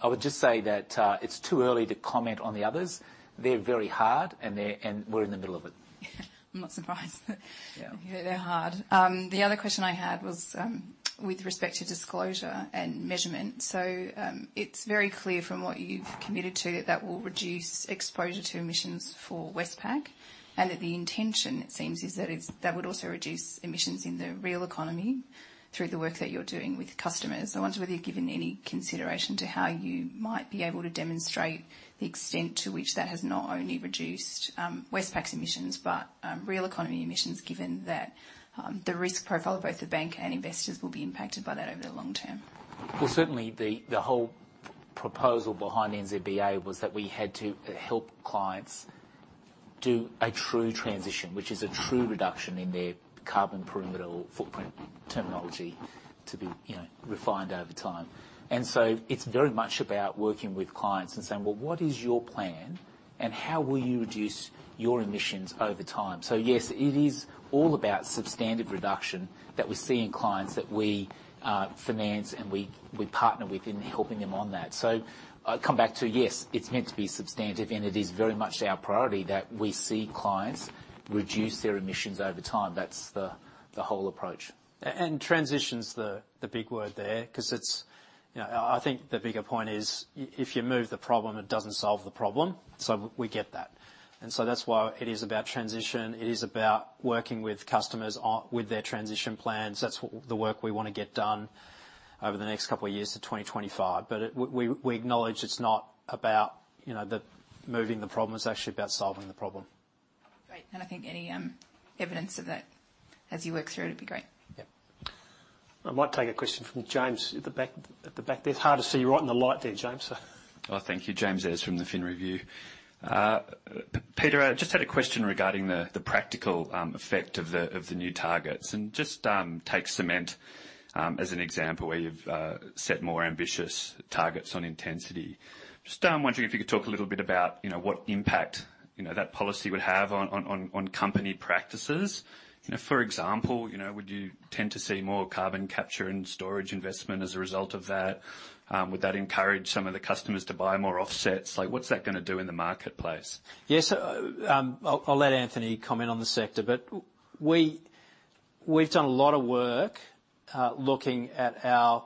I would just say that it's too early to comment on the others. They're very hard, and we're in the middle of it. I'm not surprised. Yeah. They're hard. The other question I had was with respect to disclosure and measurement. It's very clear from what you've committed to that that will reduce exposure to emissions for Westpac. That the intention, it seems, is that it would also reduce emissions in the real economy through the work that you're doing with customers. I wonder whether you've given any consideration to how you might be able to demonstrate the extent to which that has not only reduced Westpac's emissions, but real economy emissions, given that the risk profile of both the bank and investors will be impacted by that over the long term. Well, certainly the whole proposal behind the NZBA was that we had to help clients do a true transition, which is a true reduction in their carbon footprint terminology to be, you know, refined over time. It's very much about working with clients and saying, "Well, what is your plan?" How will you reduce your emissions over time? Yes, it is all about substantive reduction that we see in clients that we finance and we partner with in helping them on that. I come back to, yes, it's meant to be substantive, and it is very much our priority that we see clients reduce their emissions over time. That's the whole approach. Transition's the big word there 'cause it's, you know. I think the bigger point is if you move the problem, it doesn't solve the problem. We get that. That's why it is about transition. It is about working with customers with their transition plans. That's the work we wanna get done over the next couple of years to 2025. We acknowledge it's not about, you know, the moving the problem. It's actually about solving the problem. Great. I think any evidence of that as you work through it'd be great. Yeah. I might take a question from James at the back there. It's hard to see. You're right in the light there, James, so. Thank you. James Eyers from The Fin Review. Peter, I just had a question regarding the practical effect of the new targets and just take cement as an example where you've set more ambitious targets on intensity. Just wondering if you could talk a little bit about, you know, what impact, you know, that policy would have on company practices. You know, for example, you know, would you tend to see more carbon capture and storage investment as a result of that? Would that encourage some of the customers to buy more offsets? Like, what's that gonna do in the marketplace? Yes. I'll let Anthony comment on the sector, but we've done a lot of work looking at our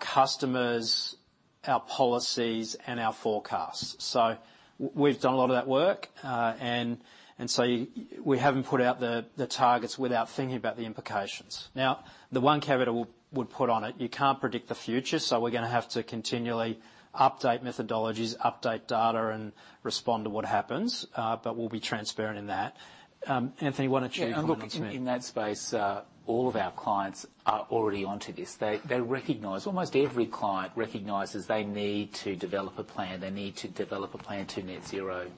customers, our policies, and our forecasts. We've done a lot of that work. We haven't put out the targets without thinking about the implications. Now, the one caveat I would put on it, you can't predict the future, so we're gonna have to continually update methodologies, update data, and respond to what happens. We'll be transparent in that. Anthony, why don't you comment on cement? Yeah. Look, in that space, all of our clients are already onto this. They recognize almost every client recognizes they need to develop a plan to net zero.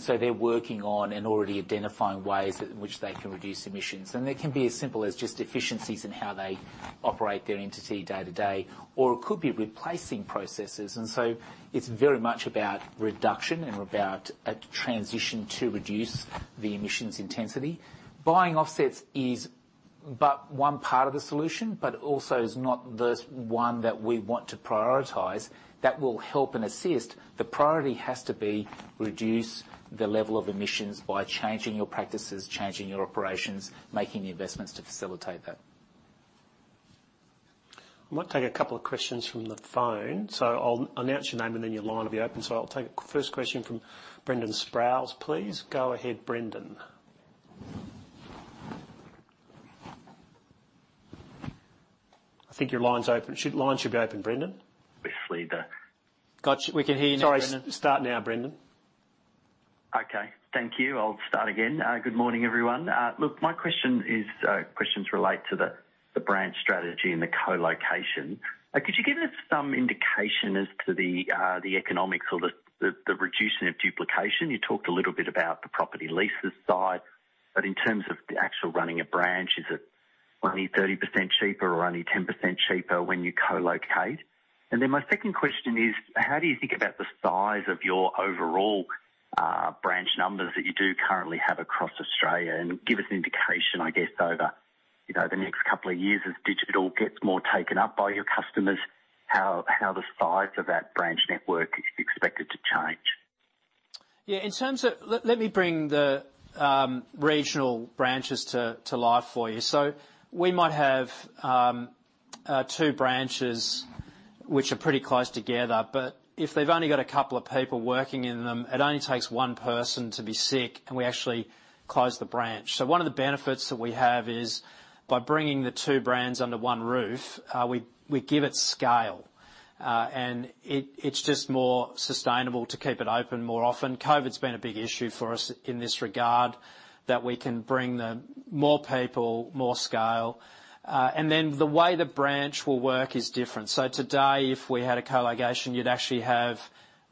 They're working on already identifying ways in which they can reduce emissions. They can be as simple as just efficiencies in how they operate their entity day to day, or it could be replacing processes. It's very much about reduction and about a transition to reduce the emissions intensity. Buying offsets is but one part of the solution, but also is not the one that we want to prioritize. That will help and assist. The priority has to be reduce the level of emissions by changing your practices, changing your operations, making the investments to facilitate that. I might take a couple of questions from the phone. I'll announce your name and then your line will be open. I'll take a first question from Brendan Sproules, please. Go ahead, Brendan. I think your line's open. Line should be open, Brendan. Obviously the- Got you. We can hear you now, Brendan. Sorry. Start now, Brendan. Okay. Thank you. I'll start again. Good morning, everyone. Look, my questions relate to the brand strategy and the co-location. Could you give us some indication as to the economics or the reducing of duplication? You talked a little bit about the property leases side, but in terms of the actual running a branch, is it only 30% cheaper or only 10% cheaper when you co-locate? And then my second question is, how do you think about the size of your overall branch numbers that you do currently have across Australia? And give us an indication, I guess, over, you know, the next couple of years as digital gets more taken up by your customers, how the size of that branch network is expected to change. In terms of, let me bring the regional branches to life for you. We might have two branches which are pretty close together, but if they've only got a couple of people working in them, it only takes one person to be sick, and we actually close the branch. One of the benefits that we have is by bringing the two brands under one roof, we give it scale. It's just more sustainable to keep it open more often. COVID's been a big issue for us in this regard, that we can bring more people, more scale. Then the way the branch will work is different. Today, if we had a co-location, you'd actually have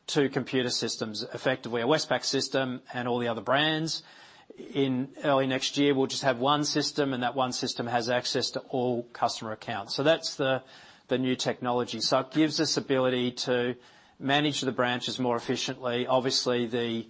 two computer systems, effectively a Westpac system and all the other brands. In early next year, we'll just have one system, and that one system has access to all customer accounts. That's the new technology. It gives us ability to manage the branches more efficiently. Obviously, the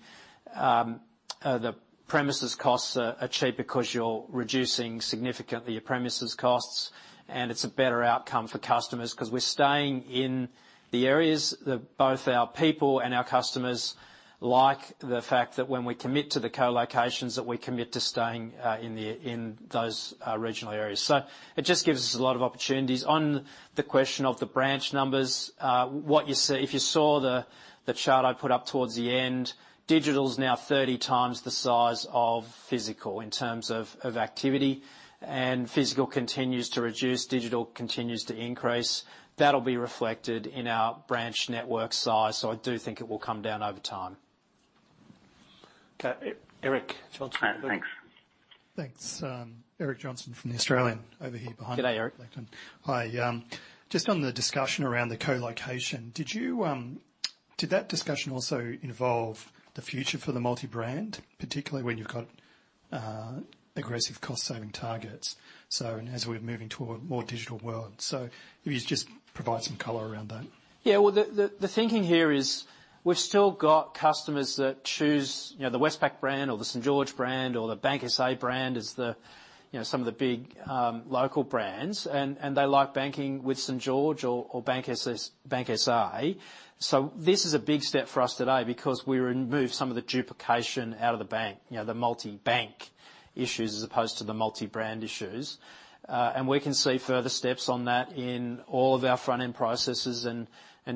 premises costs are cheaper 'cause you're reducing significantly your premises costs, and it's a better outcome for customers 'cause we're staying in the areas that both our people and our customers like the fact that when we commit to the co-locations, that we commit to staying in those regional areas. It just gives us a lot of opportunities. On the question of the branch numbers, if you saw the chart I put up towards the end, digital's now 30 times the size of physical in terms of activity, and physical continues to reduce, digital continues to increase. That'll be reflected in our branch network size. I do think it will come down over time. Okay. Eric Johnston. Thanks. Thanks. Eric Johnston from The Australian over here behind you. G'day, Eric. Hi. Just on the discussion around the co-location, did that discussion also involve the future for the multi-brand, particularly when you've got? Aggressive cost saving targets. And as we're moving toward a more digital world. If you just provide some color around that. Well, the thinking here is we've still got customers that choose, you know, the Westpac brand or the St.George brand or the BankSA brand as the, you know, some of the big, local brands, and they like banking with St.George or BankSA. This is a big step for us today because we remove some of the duplication out of the bank. You know, the multibank issues as opposed to the multi-brand issues. We can see further steps on that in all of our front-end processes and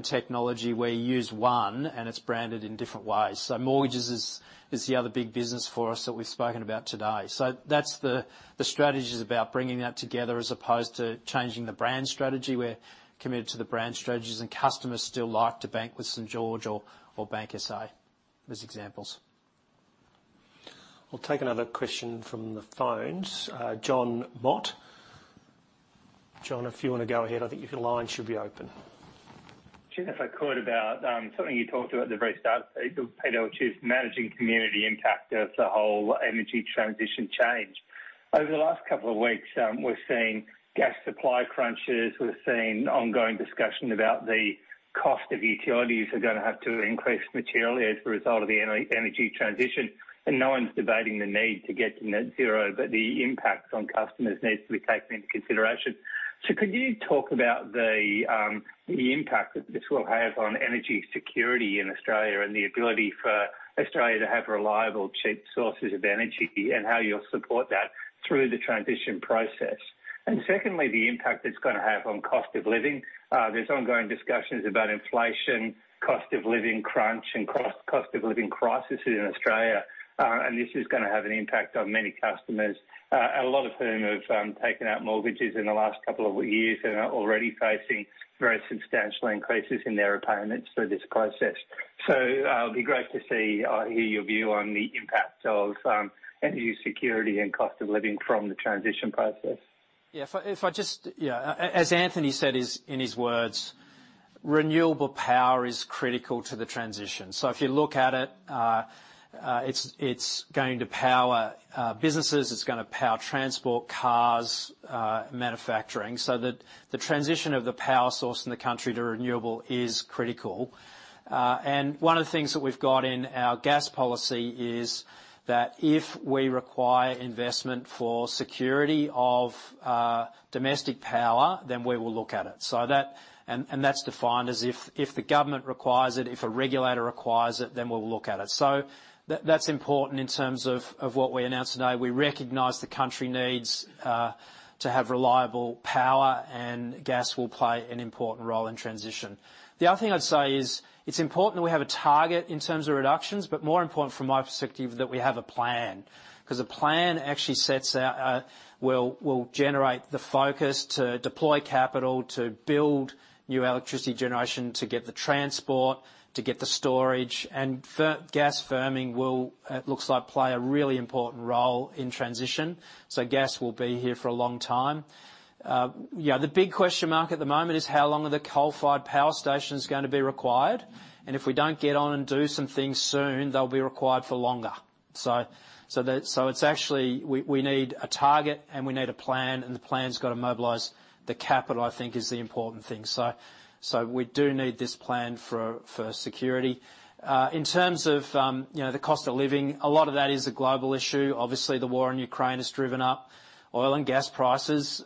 technology. We use one, and it's branded in different ways. Mortgages is the other big business for us that we've spoken about today. That's the strategy is about bringing that together as opposed to changing the brand strategy. We're committed to the brand strategies, and customers still like to bank with St.George or BankSA, as examples. We'll take another question from the phones. Jon Mott. Jon, if you wanna go ahead. I think your line should be open. Jon, if I could, about something you talked about at the very start, Peter, which is managing community impact as the whole energy transition change. Over the last couple of weeks, we're seeing gas supply crunches. We're seeing ongoing discussion about the cost of utilities are gonna have to increase materially as a result of the energy transition. No one's debating the need to get to net zero, but the impact on customers needs to be taken into consideration. Could you talk about the impact that this will have on energy security in Australia and the ability for Australia to have reliable, cheap sources of energy and how you'll support that through the transition process? Secondly, the impact it's gonna have on cost of living. There's ongoing discussions about inflation, cost of living crunch and cost of living crisis in Australia. This is gonna have an impact on many customers, a lot of whom have taken out mortgages in the last couple of years and are already facing very substantial increases in their repayments through this process. It'd be great to see or hear your view on the impact of energy security and cost of living from the transition process. As Anthony said, in his words, renewable power is critical to the transition. If you look at it's going to power businesses, it's gonna power transport, cars, manufacturing, so the transition of the power source in the country to renewable is critical. One of the things that we've got in our gas policy is that if we require investment for security of domestic power, then we will look at it. That's defined as if the government requires it, if a regulator requires it, then we'll look at it. That's important in terms of what we announced today. We recognize the country needs to have reliable power, and gas will play an important role in transition. The other thing I'd say is it's important we have a target in terms of reductions, but more important from my perspective, that we have a plan, 'cause a plan actually sets out, will generate the focus to deploy capital, to build new electricity generation, to get the transport, to get the storage. Gas firming will look to play a really important role in transition, so gas will be here for a long time. Yeah, the big question mark at the moment is how long are the coal-fired power stations gonna be required? If we don't get on and do some things soon, they'll be required for longer. It's actually we need a target and we need a plan, and the plan's gotta mobilize the capital, I think is the important thing. We do need this plan for security. In terms of you know, the cost of living, a lot of that is a global issue. Obviously, the war in Ukraine has driven up oil and gas prices.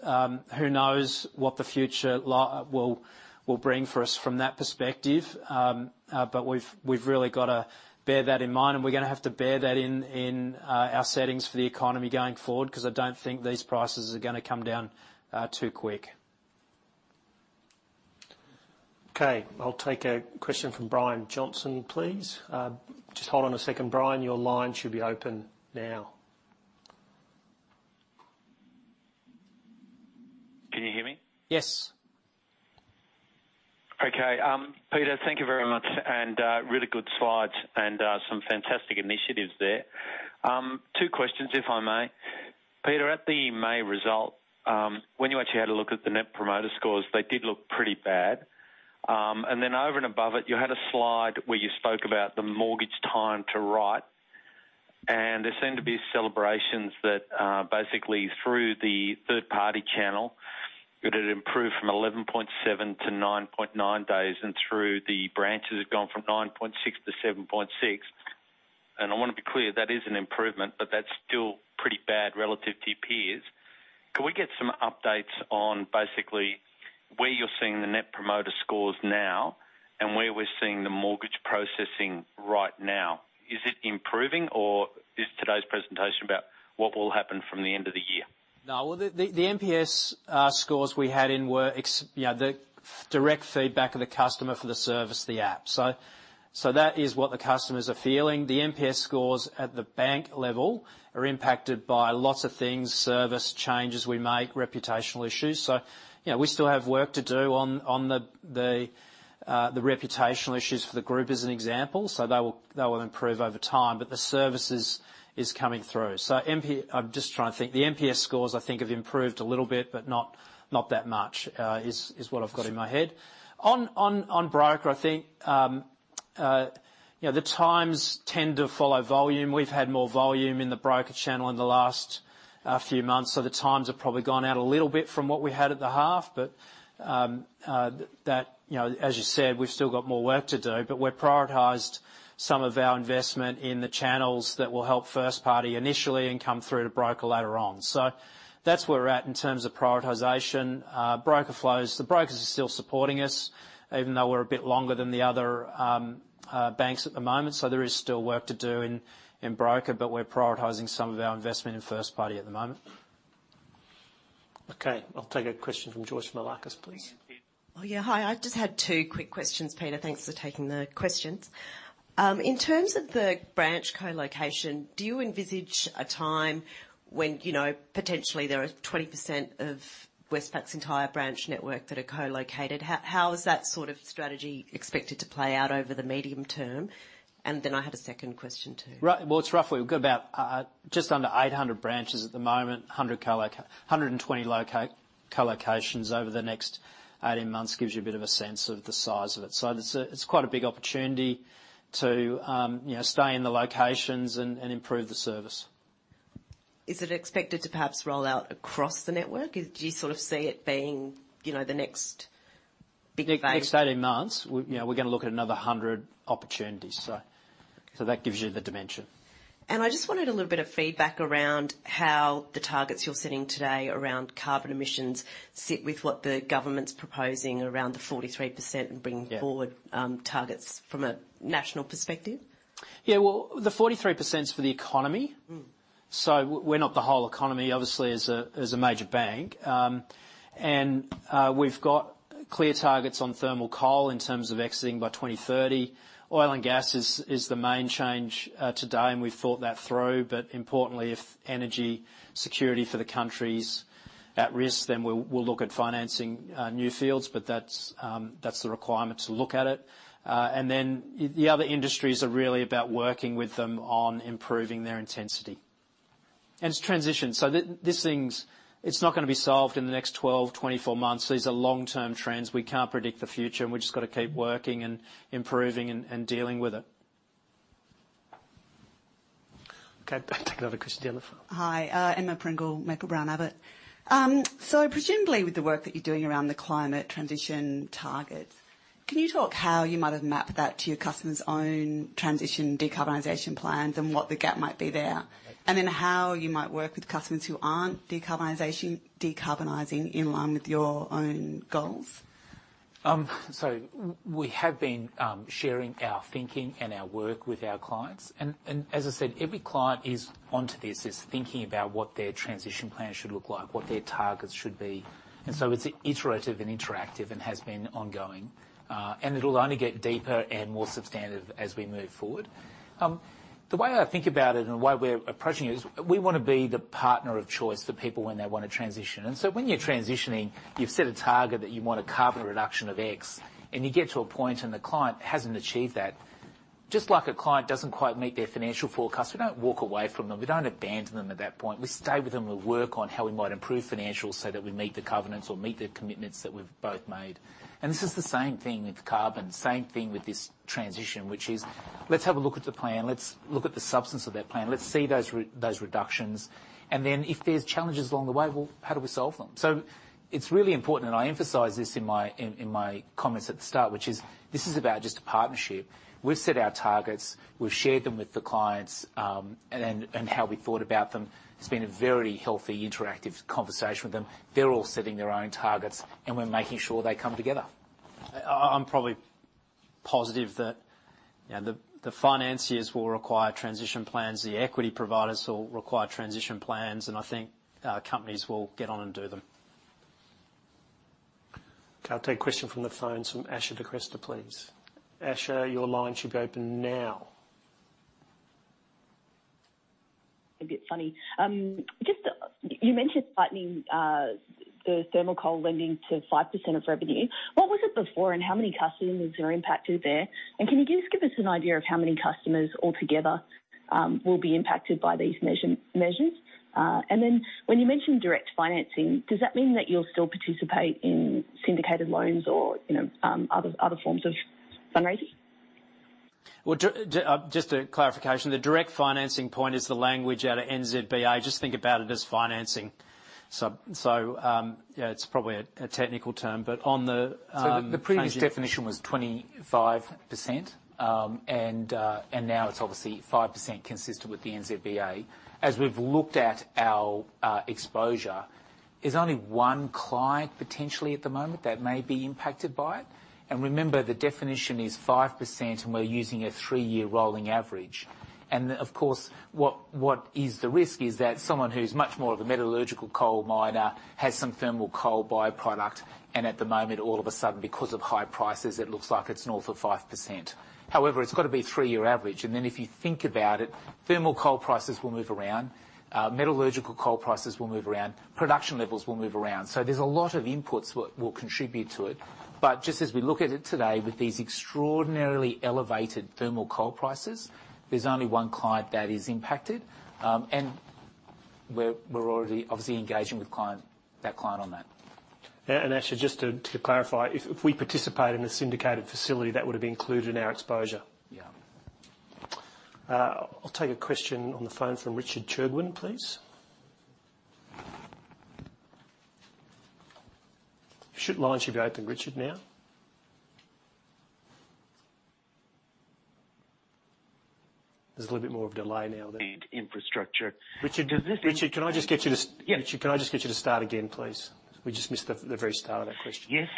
Who knows what the future will bring for us from that perspective. We've really gotta bear that in mind, and we're gonna have to bear that in our settings for the economy going forward, 'cause I don't think these prices are gonna come down too quick. Okay, I'll take a question from Brian Johnson, please. Just hold on a second, Brian. Your line should be open now. Can you hear me? Yes. Okay. Peter, thank you very much. Really good slides and some fantastic initiatives there. Two questions, if I may. Peter, at the May result, when you actually had a look at the net promoter scores, they did look pretty bad. Then over and above it, you had a slide where you spoke about the mortgage time to write, and there seemed to be celebrations that basically through the third party channel, it had improved from 11.7 to 9.9 days, and through the branches have gone from 9.6 to 7.6. I wanna be clear, that is an improvement, but that's still pretty bad relative to peers. Can we get some updates on basically where you're seeing the net promoter scores now and where we're seeing the mortgage processing right now? Is it improving, or is today's presentation about what will happen from the end of the year? No. Well, the NPS scores we had in were direct feedback of the customer for the service, the app. That is what the customers are feeling. The NPS scores at the bank level are impacted by lots of things, service changes we make, reputational issues. You know, we still have work to do on the reputational issues for the group as an example. They will improve over time, but the services is coming through. I'm just trying to think. The NPS scores I think have improved a little bit but not that much is what I've got in my head. On broker, I think, you know, the times tend to follow volume. We've had more volume in the broker channel in the last few months, so the times have probably gone out a little bit from what we had at the half. That, you know, as you said, we've still got more work to do, but we've prioritized some of our investment in the channels that will help first party initially and come through to broker later on. That's where we're at in terms of prioritization. Broker flows, the brokers are still supporting us even though we're a bit longer than the other banks at the moment, so there is still work to do in broker, but we're prioritizing some of our investment in first party at the moment. Okay, I'll take a question from Joyce Moullakis, please. Oh, yeah. Hi. I just had two quick questions, Peter. Thanks for taking the questions. In terms of the branch co-location, do you envisage a time when, you know, potentially there are 20% of Westpac's entire branch network that are co-located? How is that sort of strategy expected to play out over the medium term? I had a second question, too. Right. Well, it's roughly, we've got about just under 800 branches at the moment, 120 co-locations over the next 18 months, gives you a bit of a sense of the size of it. It's quite a big opportunity to, you know, stay in the locations and improve the service. Is it expected to perhaps roll out across the network? Do you sort of see it being, you know, the next big bank? Next 18 months, you know, we're gonna look at another 100 opportunities. That gives you the dimension. I just wanted a little bit of feedback around how the targets you're setting today around carbon emissions sit with what the government's proposing around the 43% and bringing? Yeah. Forward targets from a national perspective. Yeah. Well, the 43% is for the economy. Mm. We're not the whole economy, obviously as a major bank. We've got clear targets on thermal coal in terms of exiting by 2030. Oil and gas is the main change today, and we've thought that through. Importantly, if energy security for the country is at risk, then we'll look at financing new fields. That's the requirement to look at it. Then the other industries are really about working with them on improving their intensity. It's transition. These things, it's not gonna be solved in the next 12, 24 months. These are long-term trends. We can't predict the future, and we've just got to keep working and improving and dealing with it. Okay. Take another question on the phone. Hi, Emma Pringle, Maple-Brown Abbott. Presumably with the work that you're doing around the climate transition targets, can you talk how you might have mapped that to your customers' own transition decarbonization plans and what the gap might be there? Then how you might work with customers who aren't decarbonizing in line with your own goals. We have been sharing our thinking and our work with our clients. As I said, every client is onto this, is thinking about what their transition plan should look like, what their targets should be. It's iterative and interactive and has been ongoing. It'll only get deeper and more substantive as we move forward. The way I think about it and the way we're approaching it is we wanna be the partner of choice for people when they want to transition. When you're transitioning, you've set a target that you want a carbon reduction of X, and you get to a point and the client hasn't achieved that. Just like a client doesn't quite meet their financial forecast, we don't walk away from them. We don't abandon them at that point. We stay with them. We work on how we might improve financials so that we meet the covenants or meet the commitments that we've both made. This is the same thing with carbon, same thing with this transition, which is, let's have a look at the plan. Let's look at the substance of that plan. Let's see those reductions. Then if there's challenges along the way, well, how do we solve them? It's really important, and I emphasize this in my comments at the start, which is this is about just a partnership. We've set our targets, we've shared them with the clients, and then and how we thought about them. It's been a very healthy, interactive conversation with them. They're all setting their own targets, and we're making sure they come together. I'm probably positive that, you know, the financiers will require transition plans, the equity providers will require transition plans, and I think companies will get on and do them. Okay. I'll take a question from the phone. It's from Asher DeCristo, please. Asher, your line should be open now. A bit funny. Just you mentioned tightening the thermal coal lending to 5% of revenue. What was it before and how many customers are impacted there? Can you just give us an idea of how many customers altogether will be impacted by these measures? When you mention direct financing, does that mean that you'll still participate in syndicated loans or, you know, other forms of fundraising? Well, just a clarification. The direct financing point is the language out of NZBA. Just think about it as financing. You know, it's probably a technical term. The previous definition was 25%. Now it's obviously 5% consistent with the NZBA. As we've looked at our exposure, there's only one client potentially at the moment that may be impacted by it. Remember, the definition is 5%, and we're using a three-year rolling average. Of course, what is the risk is that someone who's much more of a metallurgical coal miner has some thermal coal by-product, and at the moment, all of a sudden, because of high prices, it looks like it's north of 5%. However, it's got to be a three-year average. If you think about it, thermal coal prices will move around, metallurgical coal prices will move around, production levels will move around. There's a lot of inputs what will contribute to it. Just as we look at it today, with these extraordinarily elevated thermal coal prices, there's only one client that is impacted. We're already obviously engaging with that client on that. Yeah, actually, just to clarify, if we participate in a syndicated facility, that would have been included in our exposure. Yeah. I'll take a question on the phone from Richard Cherwin, please. Your line should be open, Richard, now. There's a little bit more of a delay now there. Infrastructure. Richard, does this? Richard, can I just get you to? Yeah. Richard, can I just get you to start again, please? We just missed the very start of that question. Yes.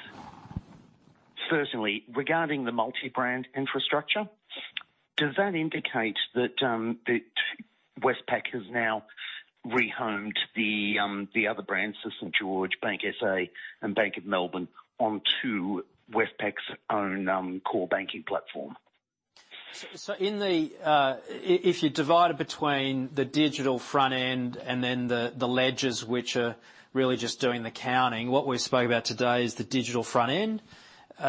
Certainly. Regarding the multi-brand infrastructure, does that indicate that Westpac has now rehomed the other brands, so St.George Bank, BankSA and Bank of Melbourne, onto Westpac's own core banking platform? If you divide it between the digital front end and then the ledgers, which are really just doing the counting, what we've spoken about today is the digital front end.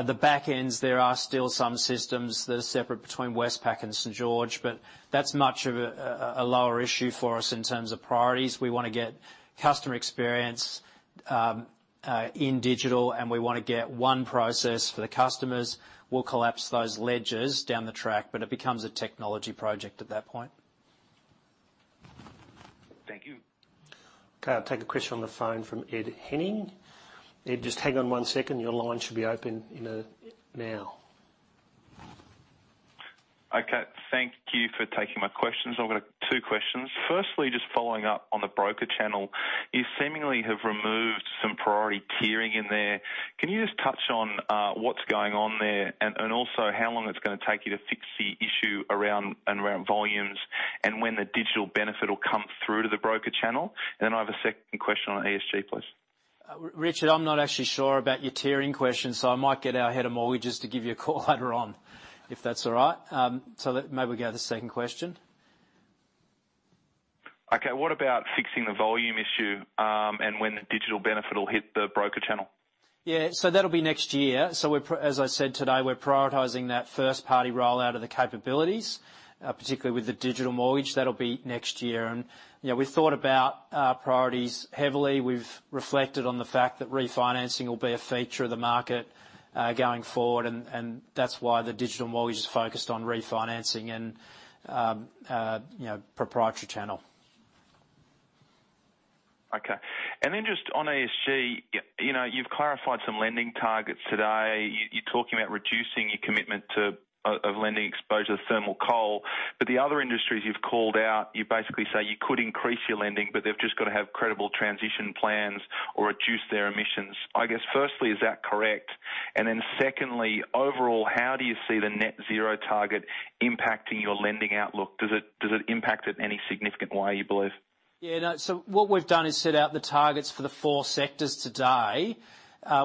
The back ends, there are still some systems that are separate between Westpac and St.George Bank, but that's not much of a lower issue for us in terms of priorities. We wanna get customer experience in digital, and we wanna get one process for the customers. We'll collapse those ledgers down the track, but it becomes a technology project at that point. Thank you. Okay, I'll take a question on the phone from Ed Henning. Ed, just hang on one second. Your line should be open, you know, now. Okay, thank you for taking my questions. I've got two questions. Firstly, just following up on the broker channel, you seemingly have removed some priority tiering in there. Can you just touch on what's going on there and also how long it's gonna take you to fix the issue around volumes and when the digital benefit will come through to the broker channel? I have a second question on ESG, please. Richard, I'm not actually sure about your tiering question, so I might get our head of mortgages to give you a call later on, if that's all right. Maybe we can have the second question. Okay. What about fixing the volume issue, and when the digital benefit will hit the broker channel? Yeah. That'll be next year. As I said today, we're prioritizing that first-party rollout of the capabilities, particularly with the digital mortgage. That'll be next year. You know, we've thought about our priorities heavily. We've reflected on the fact that refinancing will be a feature of the market, going forward, and that's why the digital mortgage is focused on refinancing and, you know, proprietary channel. Okay. Just on ESG, you know, you've clarified some lending targets today. You're talking about reducing your commitment to lending exposure to thermal coal. The other industries you've called out, you basically say you could increase your lending, but they've just gotta have credible transition plans or reduce their emissions. I guess, firstly, is that correct? Secondly, overall, how do you see the net zero target impacting your lending outlook? Does it impact it in any significant way, you believe? Yeah, no. What we've done is set out the targets for the four sectors today.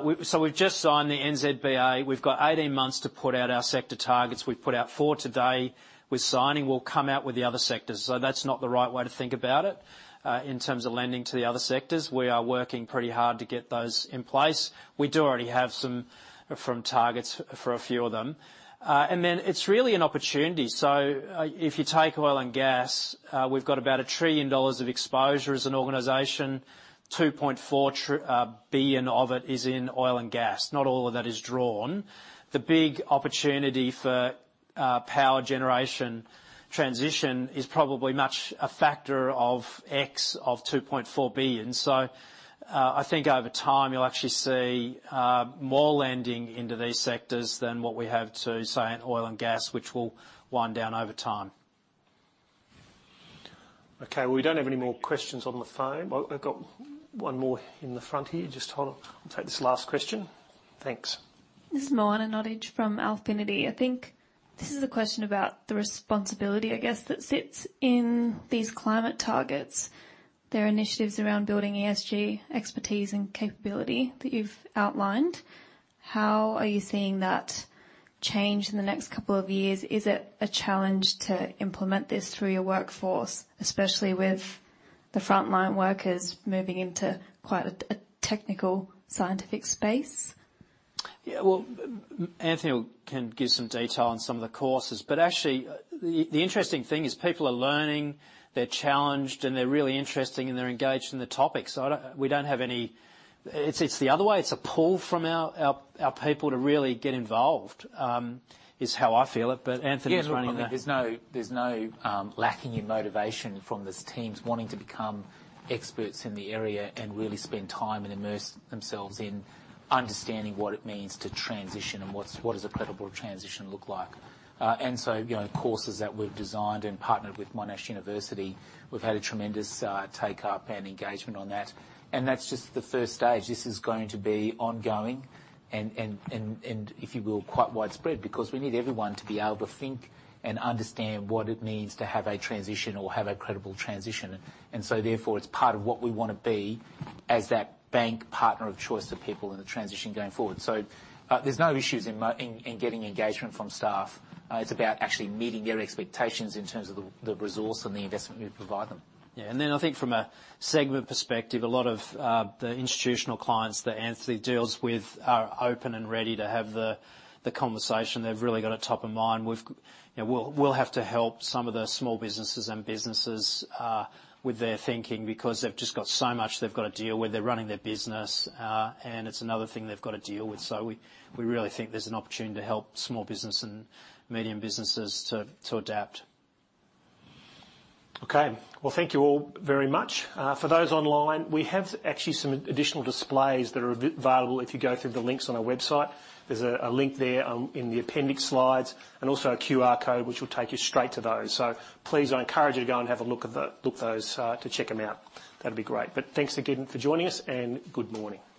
We've just signed the NZBA. We've got 18 months to put out our sector targets. We've put out four today with signing. We'll come out with the other sectors. That's not the right way to think about it, in terms of lending to the other sectors. We are working pretty hard to get those in place. We do already have some targets for a few of them. Then it's really an opportunity. If you take oil and gas, we've got about 1 trillion dollars of exposure as an organization. 2.4 billion of it is in oil and gas. Not all of that is drawn. The big opportunity for power generation transition is probably much of a factor of x 2.4 billion. I think over time, you'll actually see more lending into these sectors than what we have today, say, in oil and gas, which will wind down over time. Okay, we don't have any more questions on the phone. We've got one more in the front here. Just hold on. I'll take this last question. Thanks. This is Moana Nottage from Alphinity. I think this is a question about the responsibility, I guess, that sits in these climate targets. There are initiatives around building ESG expertise and capability that you've outlined. How are you seeing that change in the next couple of years? Is it a challenge to implement this through your workforce, especially with the frontline workers moving into quite a technical scientific space? Yeah, well, Anthony can give some detail on some of the courses, but actually the interesting thing is people are learning, they're challenged, and they're really interested and they're engaged in the topic. We don't have any. It's the other way. It's a pull from our people to really get involved is how I feel it. But Anthony is running the- Yeah, look, there's no lacking in motivation from these teams wanting to become experts in the area and really spend time and immerse themselves in understanding what it means to transition and what does a credible transition look like. You know, courses that we've designed and partnered with Monash University, we've had a tremendous take up and engagement on that. That's just the first stage. This is going to be ongoing and, if you will, quite widespread because we need everyone to be able to think and understand what it means to have a transition or have a credible transition. Therefore, it's part of what we wanna be as that bank partner of choice to people in the transition going forward. There's no issues in getting engagement from staff. It's about actually meeting their expectations in terms of the resource and the investment we provide them. I think from a segment perspective, a lot of the institutional clients that Anthony deals with are open and ready to have the conversation. They've really got it top of mind. You know, we'll have to help some of the small businesses and businesses with their thinking because they've just got so much they've got to deal with. They're running their business, and it's another thing they've got to deal with. We really think there's an opportunity to help small business and medium businesses to adapt. Okay. Well, thank you all very much. For those online, we have actually some additional displays that are available if you go through the links on our website. There's a link there in the appendix slides and also a QR code which will take you straight to those. Please, I encourage you to go and have a look at those to check them out. That'd be great. Thanks again for joining us, and good morning.